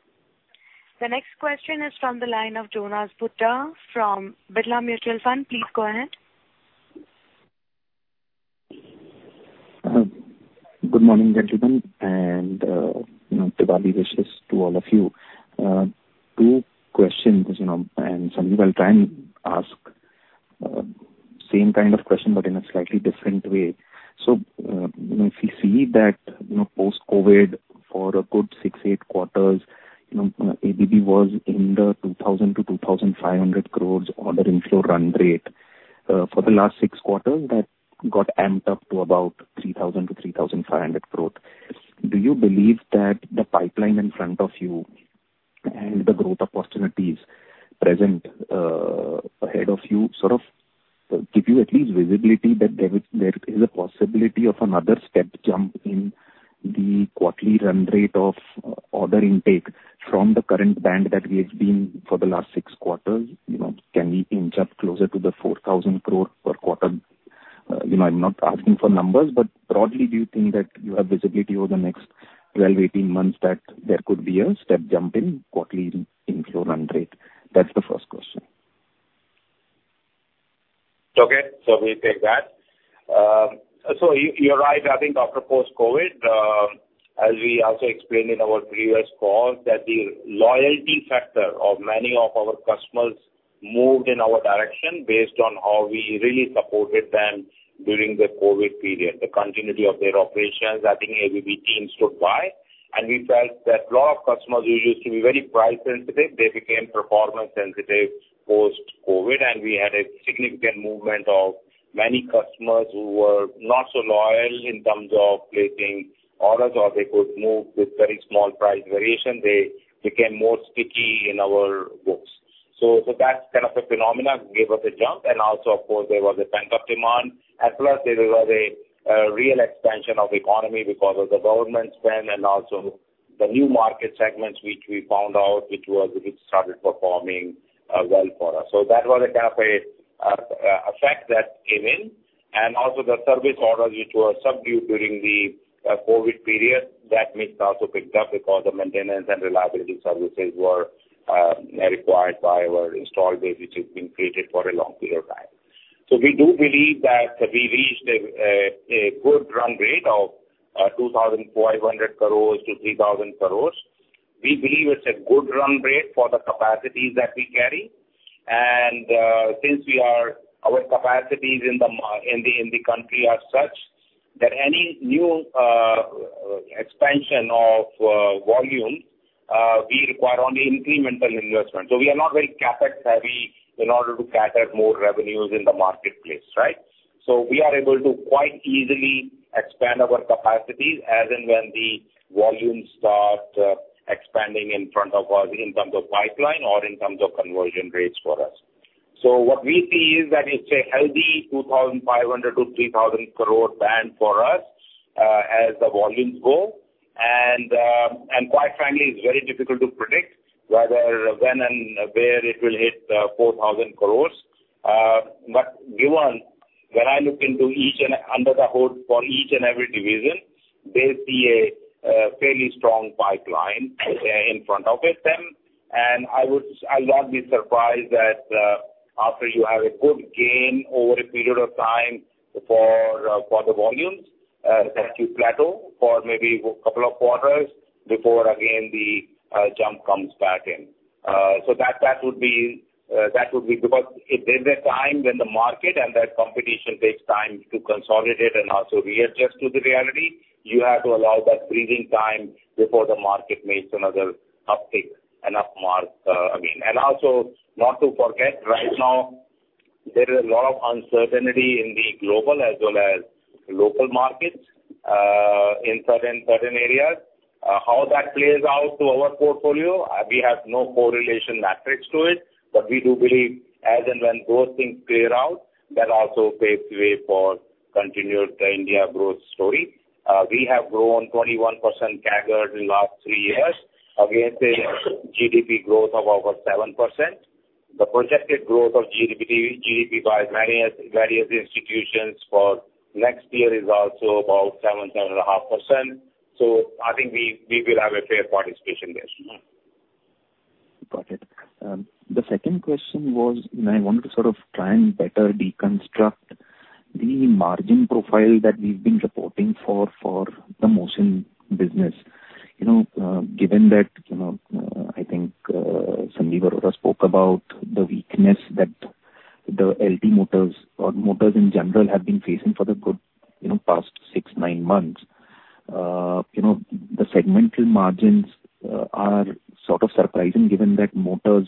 The next question is from the line of Jonas Bhutta from Aditya Birla Sun Life Mutual Fund. Please go ahead. Good morning, gentlemen, and Diwali wishes to all of you. Two questions, and some people will try and ask the same kind of question, but in a slightly different way. So if you see that post-COVID, for a good six, eight quarters, ABB was in the 2,000-2,500 crores order inflow run rate. For the last six quarters, that got amped up to about 3,000-3,500 crores. Do you believe that the pipeline in front of you and the growth opportunities present ahead of you sort of give you at least visibility that there is a possibility of another step jump in the quarterly run rate of order intake from the current band that we have been for the last six quarters? Can we inch up closer to the 4,000 crore per quarter? I'm not asking for numbers, but broadly, do you think that you have visibility over the next 12-18 months that there could be a step jump in quarterly inflow run rate? That's the first question. Okay. So we take that. So you're right. I think after post-COVID, as we also explained in our previous call, that the loyalty factor of many of our customers moved in our direction based on how we really supported them during the COVID period, the continuity of their operations. I think ABB team stood by, and we felt that a lot of customers who used to be very price-sensitive, they became performance-sensitive post-COVID, and we had a significant movement of many customers who were not so loyal in terms of placing orders, or they could move with very small price variation. They became more sticky in our books, so that kind of a phenomenon gave us a jump, and also, of course, there was a pent-up demand, and plus, there was a real expansion of the economy because of the government spend and also the new market segments, which we found out, which started performing well for us. That was a kind of effect that came in. And also, the service orders, which were subdued during the COVID period, that mix also picked up because the maintenance and reliability services were required by our installed base, which has been created for a long period of time. We do believe that we reached a good run rate of 2,500-3,000 crores. We believe it's a good run rate for the capacities that we carry. And since our capacities in the country are such that any new expansion of volume, we require only incremental investment. We are not very CapEx-heavy in order to cater more revenues in the marketplace, right? We are able to quite easily expand our capacities as and when the volumes start expanding in front of us in terms of pipeline or in terms of conversion rates for us. So what we see is that it's a healthy 2,500-3,000 crore band for us as the volumes go. And quite frankly, it's very difficult to predict whether, when, and where it will hit 4,000 crores. But given when I look into each and under the hood for each and every division, they see a fairly strong pipeline in front of it. And I would not be surprised that after you have a good gain over a period of time for the volumes, that you plateau for maybe a couple of quarters before again the jump comes back in. So that would be because there's a time when the market and that competition takes time to consolidate and also readjust to the reality. You have to allow that breathing time before the market makes another uptick, an upturn again. And also, not to forget, right now, there is a lot of uncertainty in the global as well as local markets in certain areas. How that plays out to our portfolio, we have no correlation metrics to it. But we do believe as and when those things clear out, that also paves the way for continued India growth story. We have grown 21% CAGR in the last three years against a GDP growth of over 7%. The projected growth of GDP by various institutions for next year is also about 7%-7.5%. So I think we will have a fair participation there. Got it. The second question was, I wanted to sort of try and better deconstruct the margin profile that we've been reporting for the motion business. Given that I think Sanjeev Arora spoke about the weakness that the LT Motors or Motors in general have been facing for the past six to nine months, the segmental margins are sort of surprising given that Motors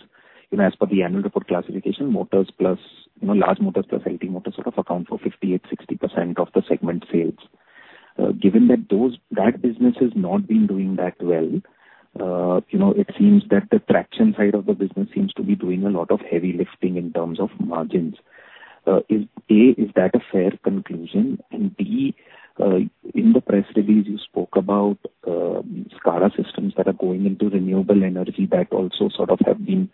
as per the annual report classification, Motors plus large motors plus LT Motors sort of account for 58%-60% of the segment sales. Given that that business has not been doing that well, it seems that the traction side of the business seems to be doing a lot of heavy lifting in terms of margins. A, is that a fair conclusion? And B, in the press release, you spoke about SCADA systems that are going into renewable energy that also sort of have been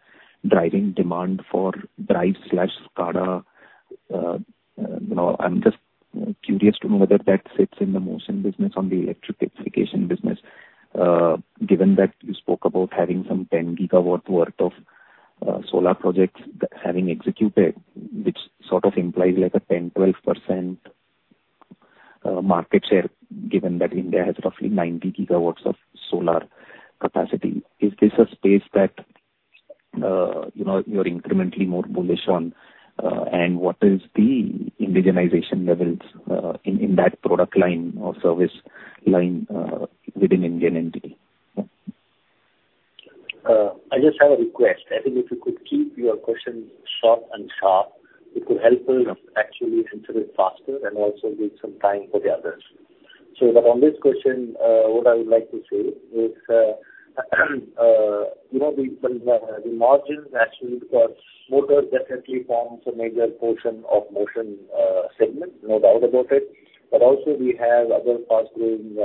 driving demand for drives/SCADA. I'm just curious to know whether that sits in the motion business or the Electrification business, given that you spoke about having some 10 gigawatts worth of solar projects having executed, which sort of implies like a 10-12% market share, given that India has roughly 90 gigawatts of solar capacity. Is this a space that you're incrementally more bullish on? And what is the indigenization levels in that product line or service line within Indian entity? I just have a request. I think if you could keep your question short and sharp, it could help us actually answer it faster and also give some time for the others. So on this question, what I would like to say is the margins actually because Motors definitely forms a major portion of motion segment, no doubt about it. But also, we have other fast-growing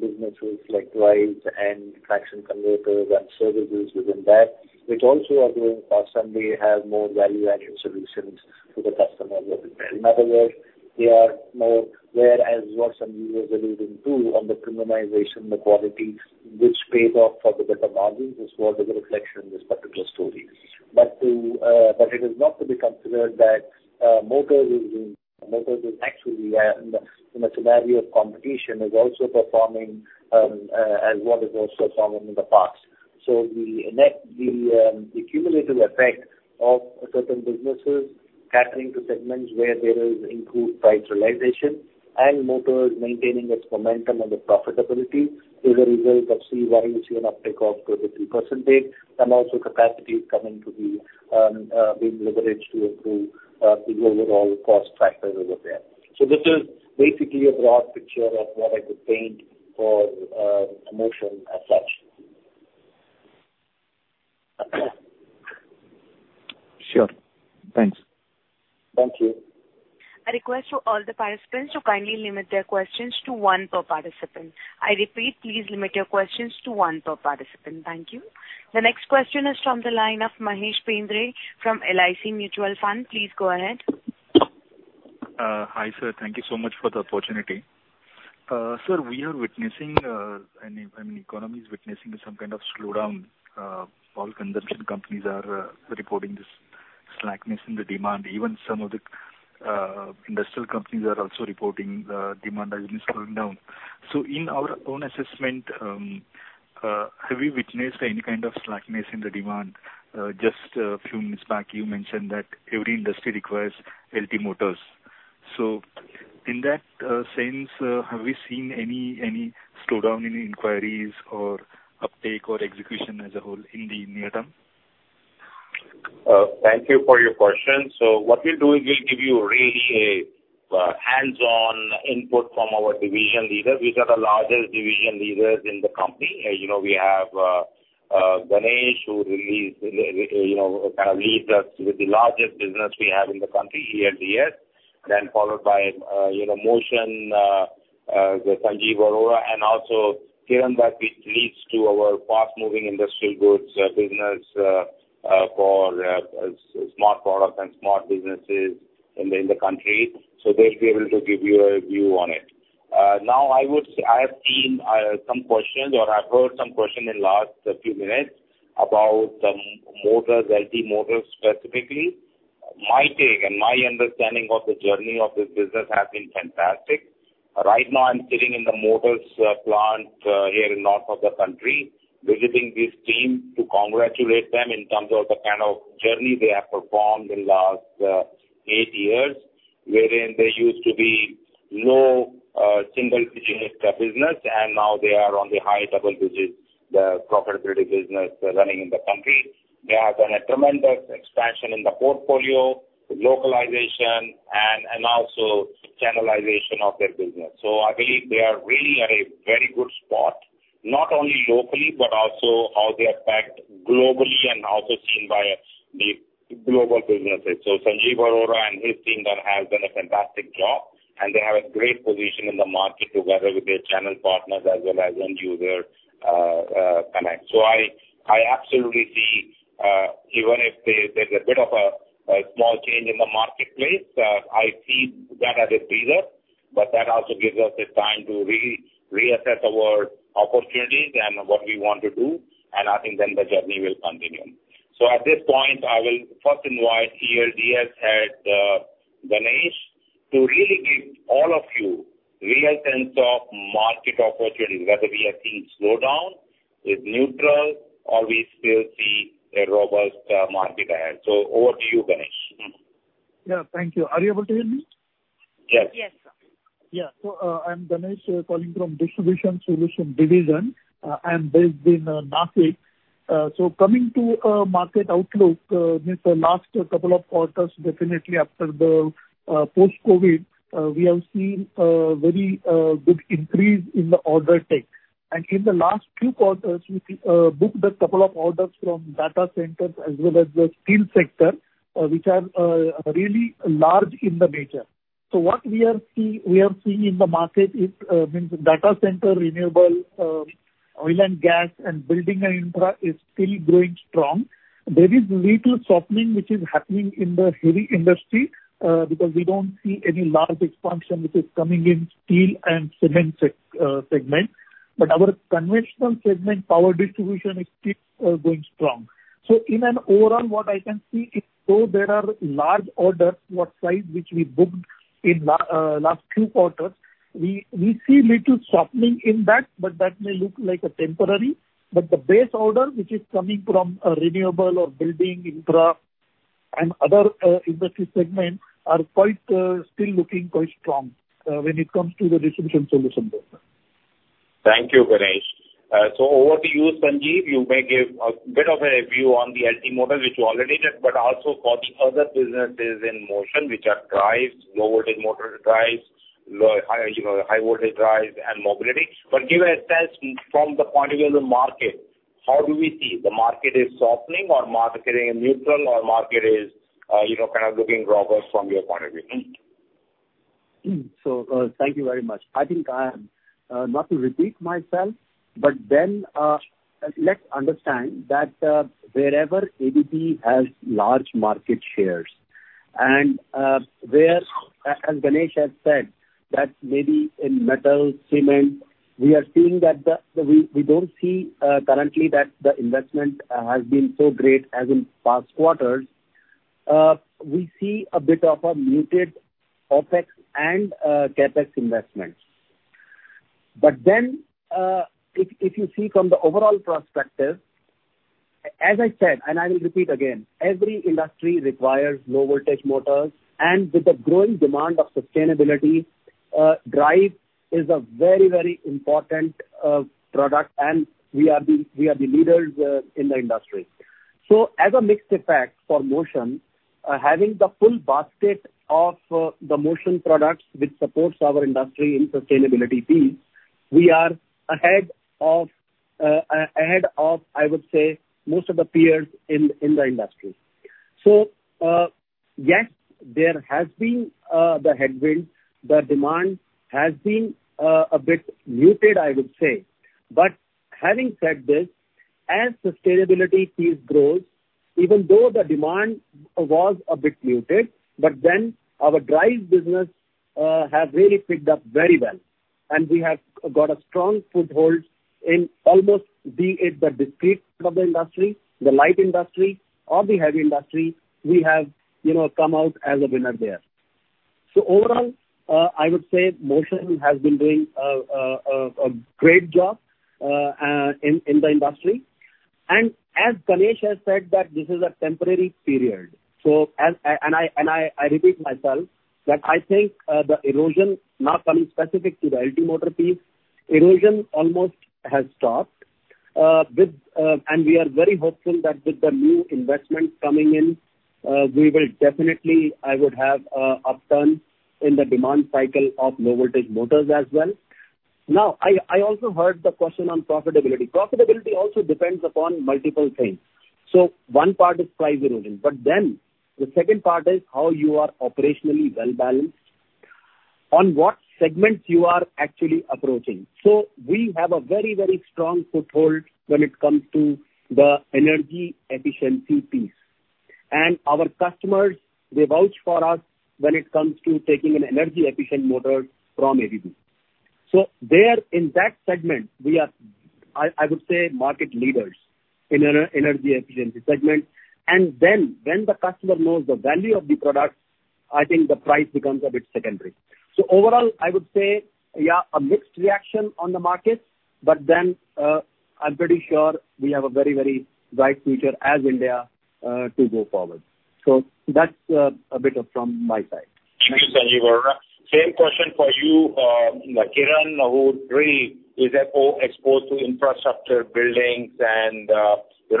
businesses like drives and traction converters and services within that, which also are going faster and they have more value-added solutions to the customers of it. In other words, they are more, whereas what Sanjeev was alluding to on the premiumization, the qualities, which pays off for the better margins is what is the reflection in this particular story. But it is not to be considered that Motors is actually in a scenario of competition is also performing as what it was performing in the past. So the cumulative effect of certain businesses catering to segments where there is improved price realization and Motors maintaining its momentum and the profitability is a result of CAGR and uptake of 23% and also capacities coming to be leveraged to improve the overall cost factors over there. So this is basically a broad picture of what I could paint for motion as such. Sure. Thanks. Thank you. I request for all the participants to kindly limit their questions to one per participant. I repeat, please limit your questions to one per participant. Thank you. The next question is from the line of Mahesh Bendre from LIC Mutual Fund. Please go ahead. Hi, sir. Thank you so much for the opportunity. Sir, we are witnessing and the economy is witnessing some kind of slowdown. All consumption companies are reporting this slackness in the demand. Even some of the industrial companies are also reporting the demand has been slowing down. So in our own assessment, have we witnessed any kind of slackness in the demand? Just a few minutes back, you mentioned that every industry requires LT Motors. So in that sense, have we seen any slowdown in inquiries or uptake or execution as a whole in the near term? Thank you for your question. So what we'll do is we'll give you really a hands-on input from our division leaders, which are the largest division leaders in the company. We have Ganesh, who kind of leads us with the largest business we have in the country, ELDS, then followed by Motion, Sanjeev Arora, and also Kiran Dutt, which leads to our fast-moving industrial goods business for smart products and smart businesses in the country. So they'll be able to give you a view on it. Now, I have seen some questions or I've heard some questions in the last few minutes about Motors LT Motors specifically. My take and my understanding of the journey of this business has been fantastic. Right now, I'm sitting in the Motors plant here in north of the country, visiting this team to congratulate them in terms of the kind of journey they have performed in the last eight years, wherein they used to be low single-digit business, and now they are on the high double digits, the profitability business running in the country. They have done a tremendous expansion in the portfolio, localization, and also channelization of their business. I believe they are really at a very good spot, not only locally, but also how they affect globally and also seen by the global businesses. Sanjeev Arora and his team have done a fantastic job, and they have a great position in the market together with their channel partners as well as end-user connects. So I absolutely see, even if there's a bit of a small change in the marketplace, I see that as a deal. But that also gives us the time to reassess our opportunities and what we want to do. And I think then the journey will continue. So at this point, I will first invite ELDS head Ganesh to really give all of you a real sense of market opportunities, whether we are seeing slowdown, is neutral, or we still see a robust market ahead. So over to you, Ganesh. Yeah. Thank you. Are you able to hear me? Yes. Yes, sir. Yeah. So I'm Ganesh calling from Distribution Solutions Division. I'm based in Nashik. So coming to market outlook, the last couple of quarters, definitely after the post-COVID, we have seen a very good increase in the order intake. And in the last few quarters, we booked a couple of orders from data centers as well as the steel sector, which are really large in the nature. So what we are seeing in the market is data center, renewable oil and gas, and building and infra is still growing strong. There is little softening, which is happening in the heavy industry because we don't see any large expansion, which is coming in steel and cement segment. But our conventional segment, power distribution, is still going strong. So in an overall, what I can see is though there are large orders, what size which we booked in last few quarters, we see little softening in that, but that may look like a temporary. But the base order, which is coming from renewable or building infra and other industry segments, are still looking quite strong when it comes to the distribution solutions. Thank you, Ganesh. So over to you, Sanjeev. You may give a bit of a view on the LT Motors, which you already did, but also for the other businesses in motion, which are drives, low-voltage motor drives, high-voltage drives, and mobility. But give a sense from the point of view of the market. How do we see the market is softening or market neutral, or market is kind of looking robust from your point of view? So thank you very much. I think I am not to repeat myself, but then let's understand that wherever ABB has large market shares, and where, as Ganesh has said, that maybe in metals, cement, we are seeing that we don't see currently that the investment has been so great as in past quarters, we see a bit of a muted OpEx and CapEx investment. But then if you see from the overall perspective, as I said, and I will repeat again, every industry requires low-voltage motors, and with the growing demand of sustainability, drives are a very, very important product, and we are the leaders in the industry. So as a mixed effect for motion, having the full basket of the motion products which supports our industry in sustainability field, we are ahead of, I would say, most of the peers in the industry. So yes, there has been the headwind. The demand has been a bit muted, I would say. But having said this, as sustainability field grows, even though the demand was a bit muted, but then our drive business has really picked up very well. And we have got a strong foothold in almost be it the discrete part of the industry, the light industry, or the heavy industry, we have come out as a winner there. So overall, I would say motion has been doing a great job in the industry. And as Ganesh has said, that this is a temporary period. And I repeat myself that I think the erosion, now coming specific to the LT Motor piece, erosion almost has stopped. And we are very hopeful that with the new investment coming in, we will definitely, I would have an upturn in the demand cycle of low-voltage motors as well. Now, I also heard the question on profitability. Profitability also depends upon multiple things, so one part is price erosion, but then the second part is how you are operationally well-balanced on what segments you are actually approaching, so we have a very, very strong foothold when it comes to the energy efficiency piece, and our customers, they vouch for us when it comes to taking an energy-efficient motor from ABB. So in that segment, we are, I would say, market leaders in energy efficiency segment, and then when the customer knows the value of the product, I think the price becomes a bit secondary, so overall, I would say, yeah, a mixed reaction on the market, but then I'm pretty sure we have a very, very bright future in India to go forward, so that's a bit from my side. Thank you, Sanjeev Arora. Same question for you, Kiran, who really is exposed to infrastructure, buildings, and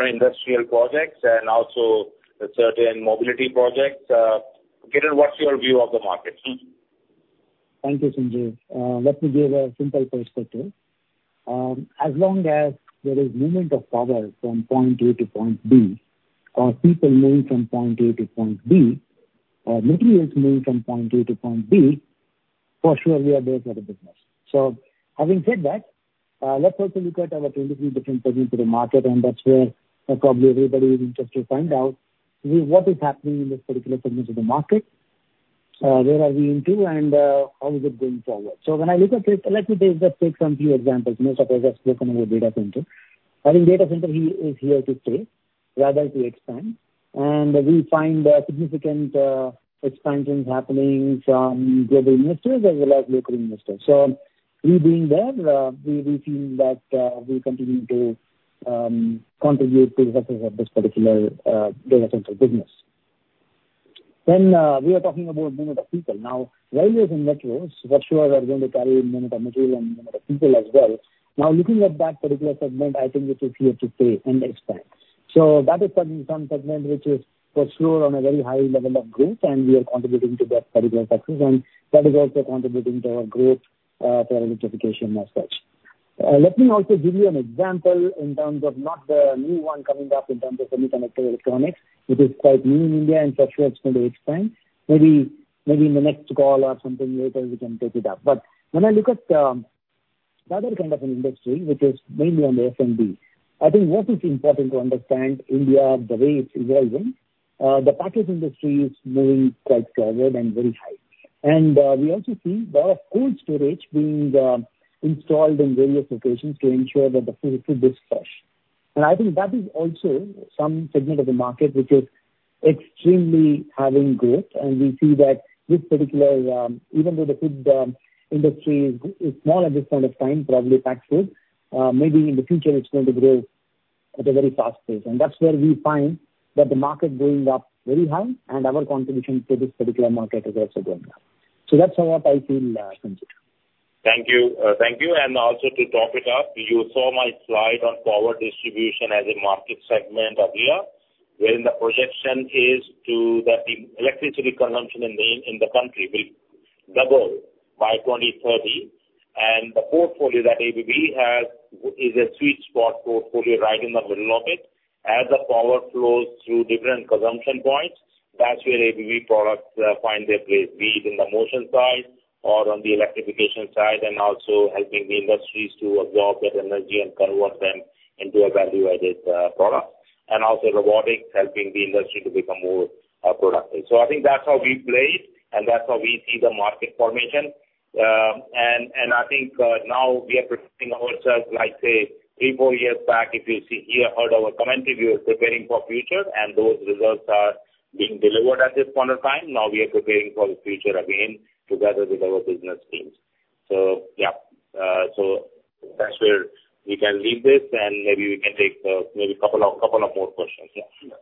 industrial projects, and also certain mobility projects. Kiran, what's your view of the market? Thank you, Sanjeev. Let me give a simple perspective. As long as there is movement of power from point A to point B, or people moving from point A to point B, or materials moving from point A to point B, for sure we are there for the business. So having said that, let's also look at our 23 different segments of the market, and that's where probably everybody is interested to find out what is happening in this particular segment of the market, where are we into, and how is it going forward. So when I look at this, let me take some few examples. Most of us have spoken about data center. I think data center is here to stay rather than to expand, and we find significant expansions happening from global investors as well as local investors, so we being there, we feel that we continue to contribute to the success of this particular data center business, then we are talking about movement of people. Now, railways and metros for sure are going to carry movement of material and movement of people as well. Now, looking at that particular segment, I think it is here to stay and expand, so that is certainly some segment which is for sure on a very high level of growth, and we are contributing to that particular success, and that is also contributing to our growth for electrification as such. Let me also give you an example in terms of not the new one coming up in terms of semiconductor electronics, which is quite new in India, and for sure it's going to expand. Maybe in the next call or something later, we can take it up. But when I look at the other kind of industry, which is mainly on the F&B, I think what is important to understand, India, the rate is rising. The package industry is moving quite forward and very high. And we also see a lot of cold storage being installed in various locations to ensure that the food is fresh. And I think that is also some segment of the market which is extremely having growth. We see that this particular, even though the food industry is small at this point of time, probably fast food, maybe in the future it's going to grow at a very fast pace. That's where we find that the market going up very high, and our contribution to this particular market is also going up. So that's how I feel, Sanjeev. Thank you. Thank you. Also to top it up, you saw my slide on power distribution as a market segment earlier, wherein the projection is that the electricity consumption in the country will double by 2030. The portfolio that ABB has is a sweet spot portfolio right in the middle of it. As the power flows through different consumption points, that's where ABB products find their place, be it in the motion side or on the electrification side, and also helping the industries to absorb that energy and convert them into a value-added product, and also robotics, helping the industry to become more productive, so I think that's how we play, and that's how we see the market formation. And I think now we are preparing ourselves, like say, three, four years back, if you heard our commentary, we were preparing for future, and those results are being delivered at this point of time. Now we are preparing for the future again together with our business teams, so yeah, so that's where we can leave this, and maybe we can take maybe a couple of more questions. Yeah.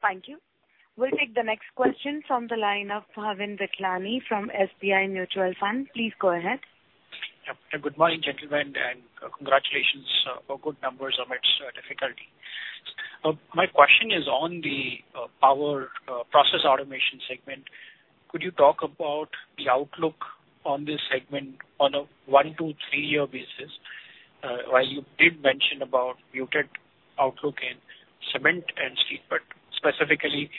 Thank you. We'll take the next question from the line of Bhavin Vithlani from SBI Mutual Fund. Please go ahead. Good morning, gentlemen, and congratulations for good numbers amidst difficulty. My question is on the power process automation segment. Could you talk about the outlook on this segment on a one- to three-year basis? While you did mention about muted outlook in cement and steel, but specifically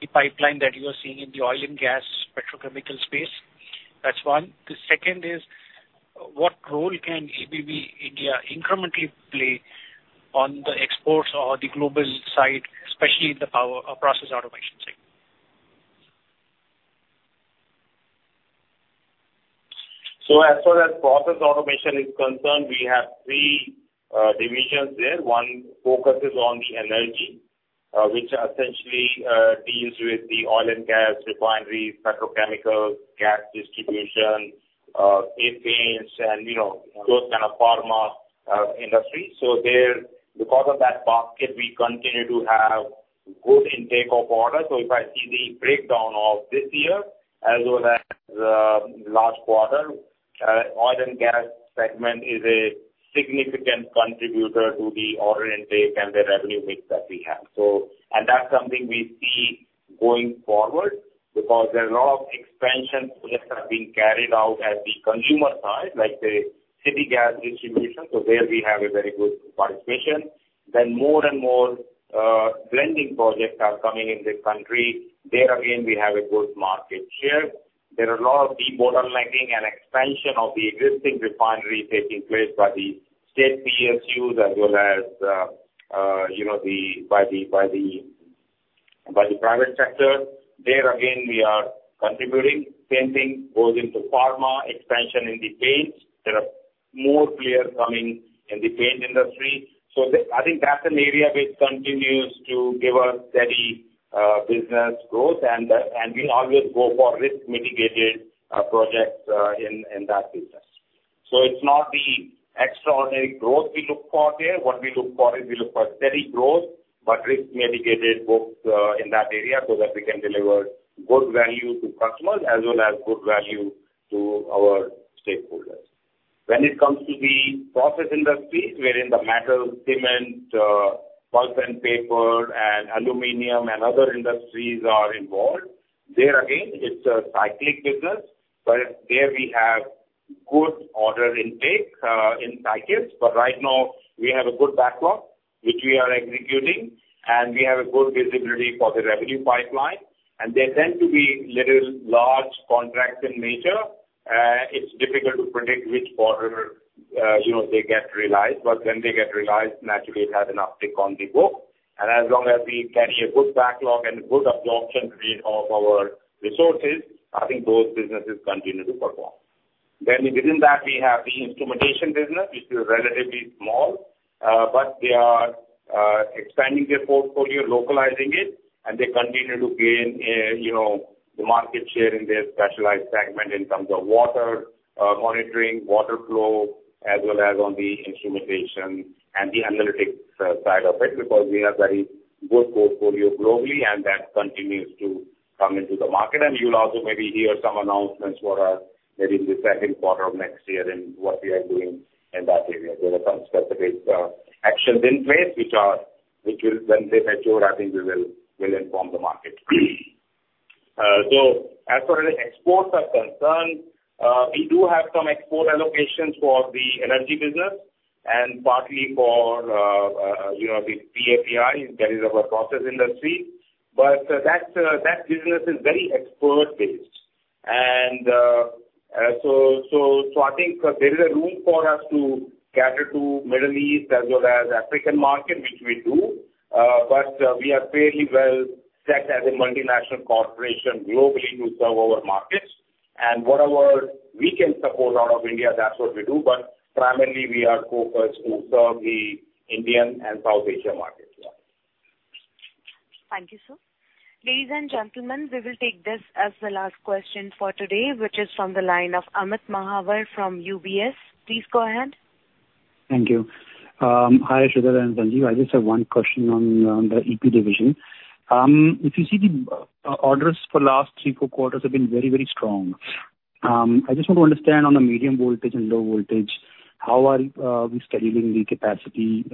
the pipeline that you are seeing in the oil and gas petrochemical space, that's one. The second is, what role can ABB India incrementally play on the exports or the global side, especially in the power process automation segment? So as far as process automation is concerned, we have three divisions there. One focuses on the energy, which essentially deals with the oil and gas refineries, petrochemicals, gas distribution, ethanol, and those kind of pharma industries. So because of that basket, we continue to have good intake of orders. So if I see the breakdown of this year as well as last quarter, oil and gas segment is a significant contributor to the order intake and the revenue mix that we have. And that's something we see going forward because there are a lot of expansion projects that are being carried out at the consumer side, like the city gas distribution. So there we have a very good participation. Then more and more blending projects are coming in this country. There again, we have a good market share. There are a lot of de-bottlenecking and expansion of the existing refineries taking place by the state PSUs as well as by the private sector. There again, we are contributing. Same thing goes into pharma, expansion in the paint. There are more players coming in the paint industry. I think that's an area which continues to give us steady business growth, and we always go for risk-mitigated projects in that business. It's not the extraordinary growth we look for there. What we look for is steady growth, but risk-mitigated growth in that area so that we can deliver good value to customers as well as good value to our stakeholders. When it comes to the process industries, wherein the metal, cement, pulp and paper, and aluminum, and other industries are involved, there again, it's a cyclical business. There we have good order intake in cycles. Right now, we have a good backlog, which we are executing, and we have a good visibility for the revenue pipeline. There tend to be relatively large contracts in nature. It's difficult to predict when orders get realized. When they get realized, naturally, it has an uptick on the book. And as long as we carry a good backlog and good absorption rate of our resources, I think those businesses continue to perform. Then within that, we have the instrumentation business, which is relatively small, but they are expanding their portfolio, localizing it, and they continue to gain the market share in their specialized segment in terms of water monitoring, water flow, as well as on the instrumentation and the analytics side of it because we have very good portfolio globally, and that continues to come into the market. And you'll also maybe hear some announcements for us maybe in the second quarter of next year in what we are doing in that area. There are some specific actions in place, which when they mature, I think we will inform the market. As far as exports are concerned, we do have some export allocations for the energy business and partly for the PAPI, that is our process industry. But that business is very export-based. And so I think there is a room for us to cater to Middle East as well as African market, which we do. But we are fairly well set as a multinational corporation globally to serve our markets. And whatever we can support out of India, that's what we do. But primarily, we are focused to serve the Indian and South Asian market. Yeah. Thank you, sir. Ladies and gentlemen, we will take this as the last question for today, which is from the line of Amit Mahawar from UBS.Please go ahead. Thank you. Hi, Sridhar and Sanjeev. I just have one question on the EP division. If you see the orders for last three, four quarters have been very, very strong. I just want to understand on the medium voltage and low voltage, how are we scheduling the capacity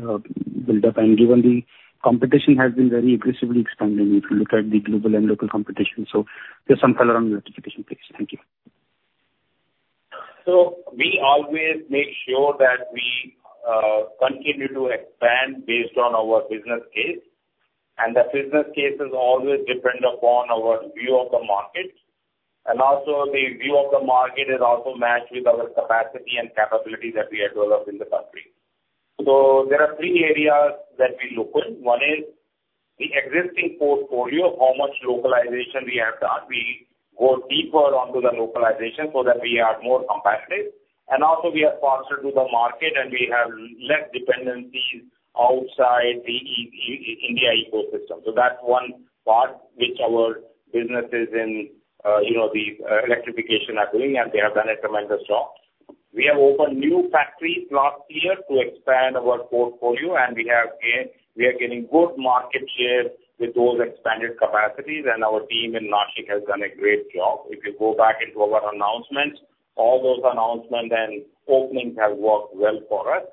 buildup? And given the competition has been very aggressively expanding, if you look at the global and local competition. So just some color on the electrification piece. Thank you. So we always make sure that we continue to expand based on our business case. And the business case is always dependent upon our view of the market. And also the view of the market is also matched with our capacity and capability that we have developed in the country. So there are three areas that we look in. One is the existing portfolio, how much localization we have done. We go deeper onto the localization so that we are more competitive. And also we have fostered to the market, and we have less dependencies outside the India ecosystem. So that's one part which our businesses in the electrification are doing, and they have done a tremendous job. We have opened new factories last year to expand our portfolio, and we are getting good market share with those expanded capacities. And our team in Nashik has done a great job. If you go back into our announcements, all those announcements and openings have worked well for us.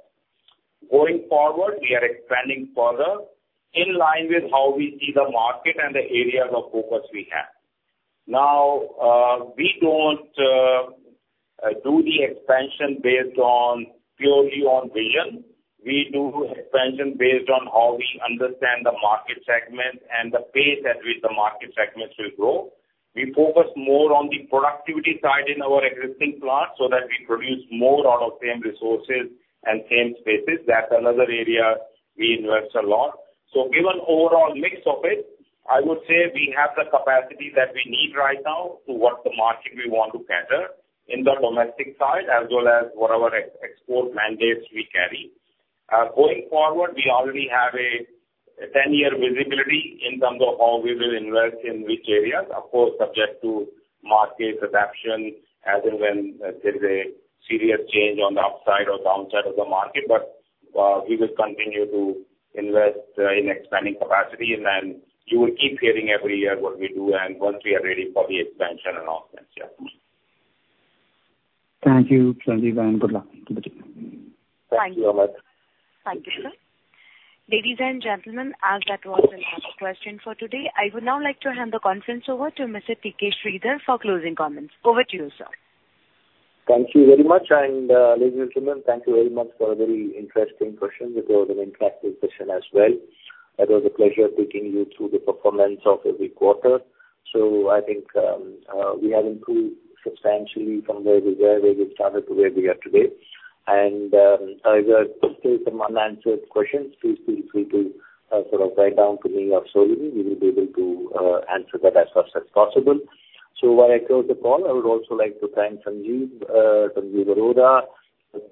Going forward, we are expanding further in line with how we see the market and the areas of focus we have. Now, we don't do the expansion purely on vision. We do expansion based on how we understand the market segment and the pace at which the market segments will grow. We focus more on the productivity side in our existing plant so that we produce more out of same resources and same spaces. That's another area we invest a lot. So given overall mix of it, I would say we have the capacity that we need right now to what the market we want to cater in the domestic side as well as whatever export mandates we carry. Going forward, we already have a 10-year visibility in terms of how we will invest in which areas. Of course, subject to market adaptation as in when there's a serious change on the upside or downside of the market, but we will continue to invest in expanding capacity. And then you will keep hearing every year what we do and once we are ready for the expansion announcements. Yeah. Thank you, Sanjeev, and good luck. Thank you so much. Thank you, sir. Ladies and gentlem en, as that was the last question for today, I would now like to hand the conference over to Mr. T.K. Sridhar for closing comments. Over to you, sir. Thank you very much. And ladies and gentlemen, thank you very much for a very interesting question. It was an interactive session as well. It was a pleasure taking you through the performance of every quarter. So I think we have improved substantially from where we were, where we started to where we are today. And if there are still some unanswered questions, please feel free to sort of write down to me or Sanjeev. We will be able to answer that as fast as possible. So while I close the call, I would also like to thank Sanjeev, Sanjeev Arora.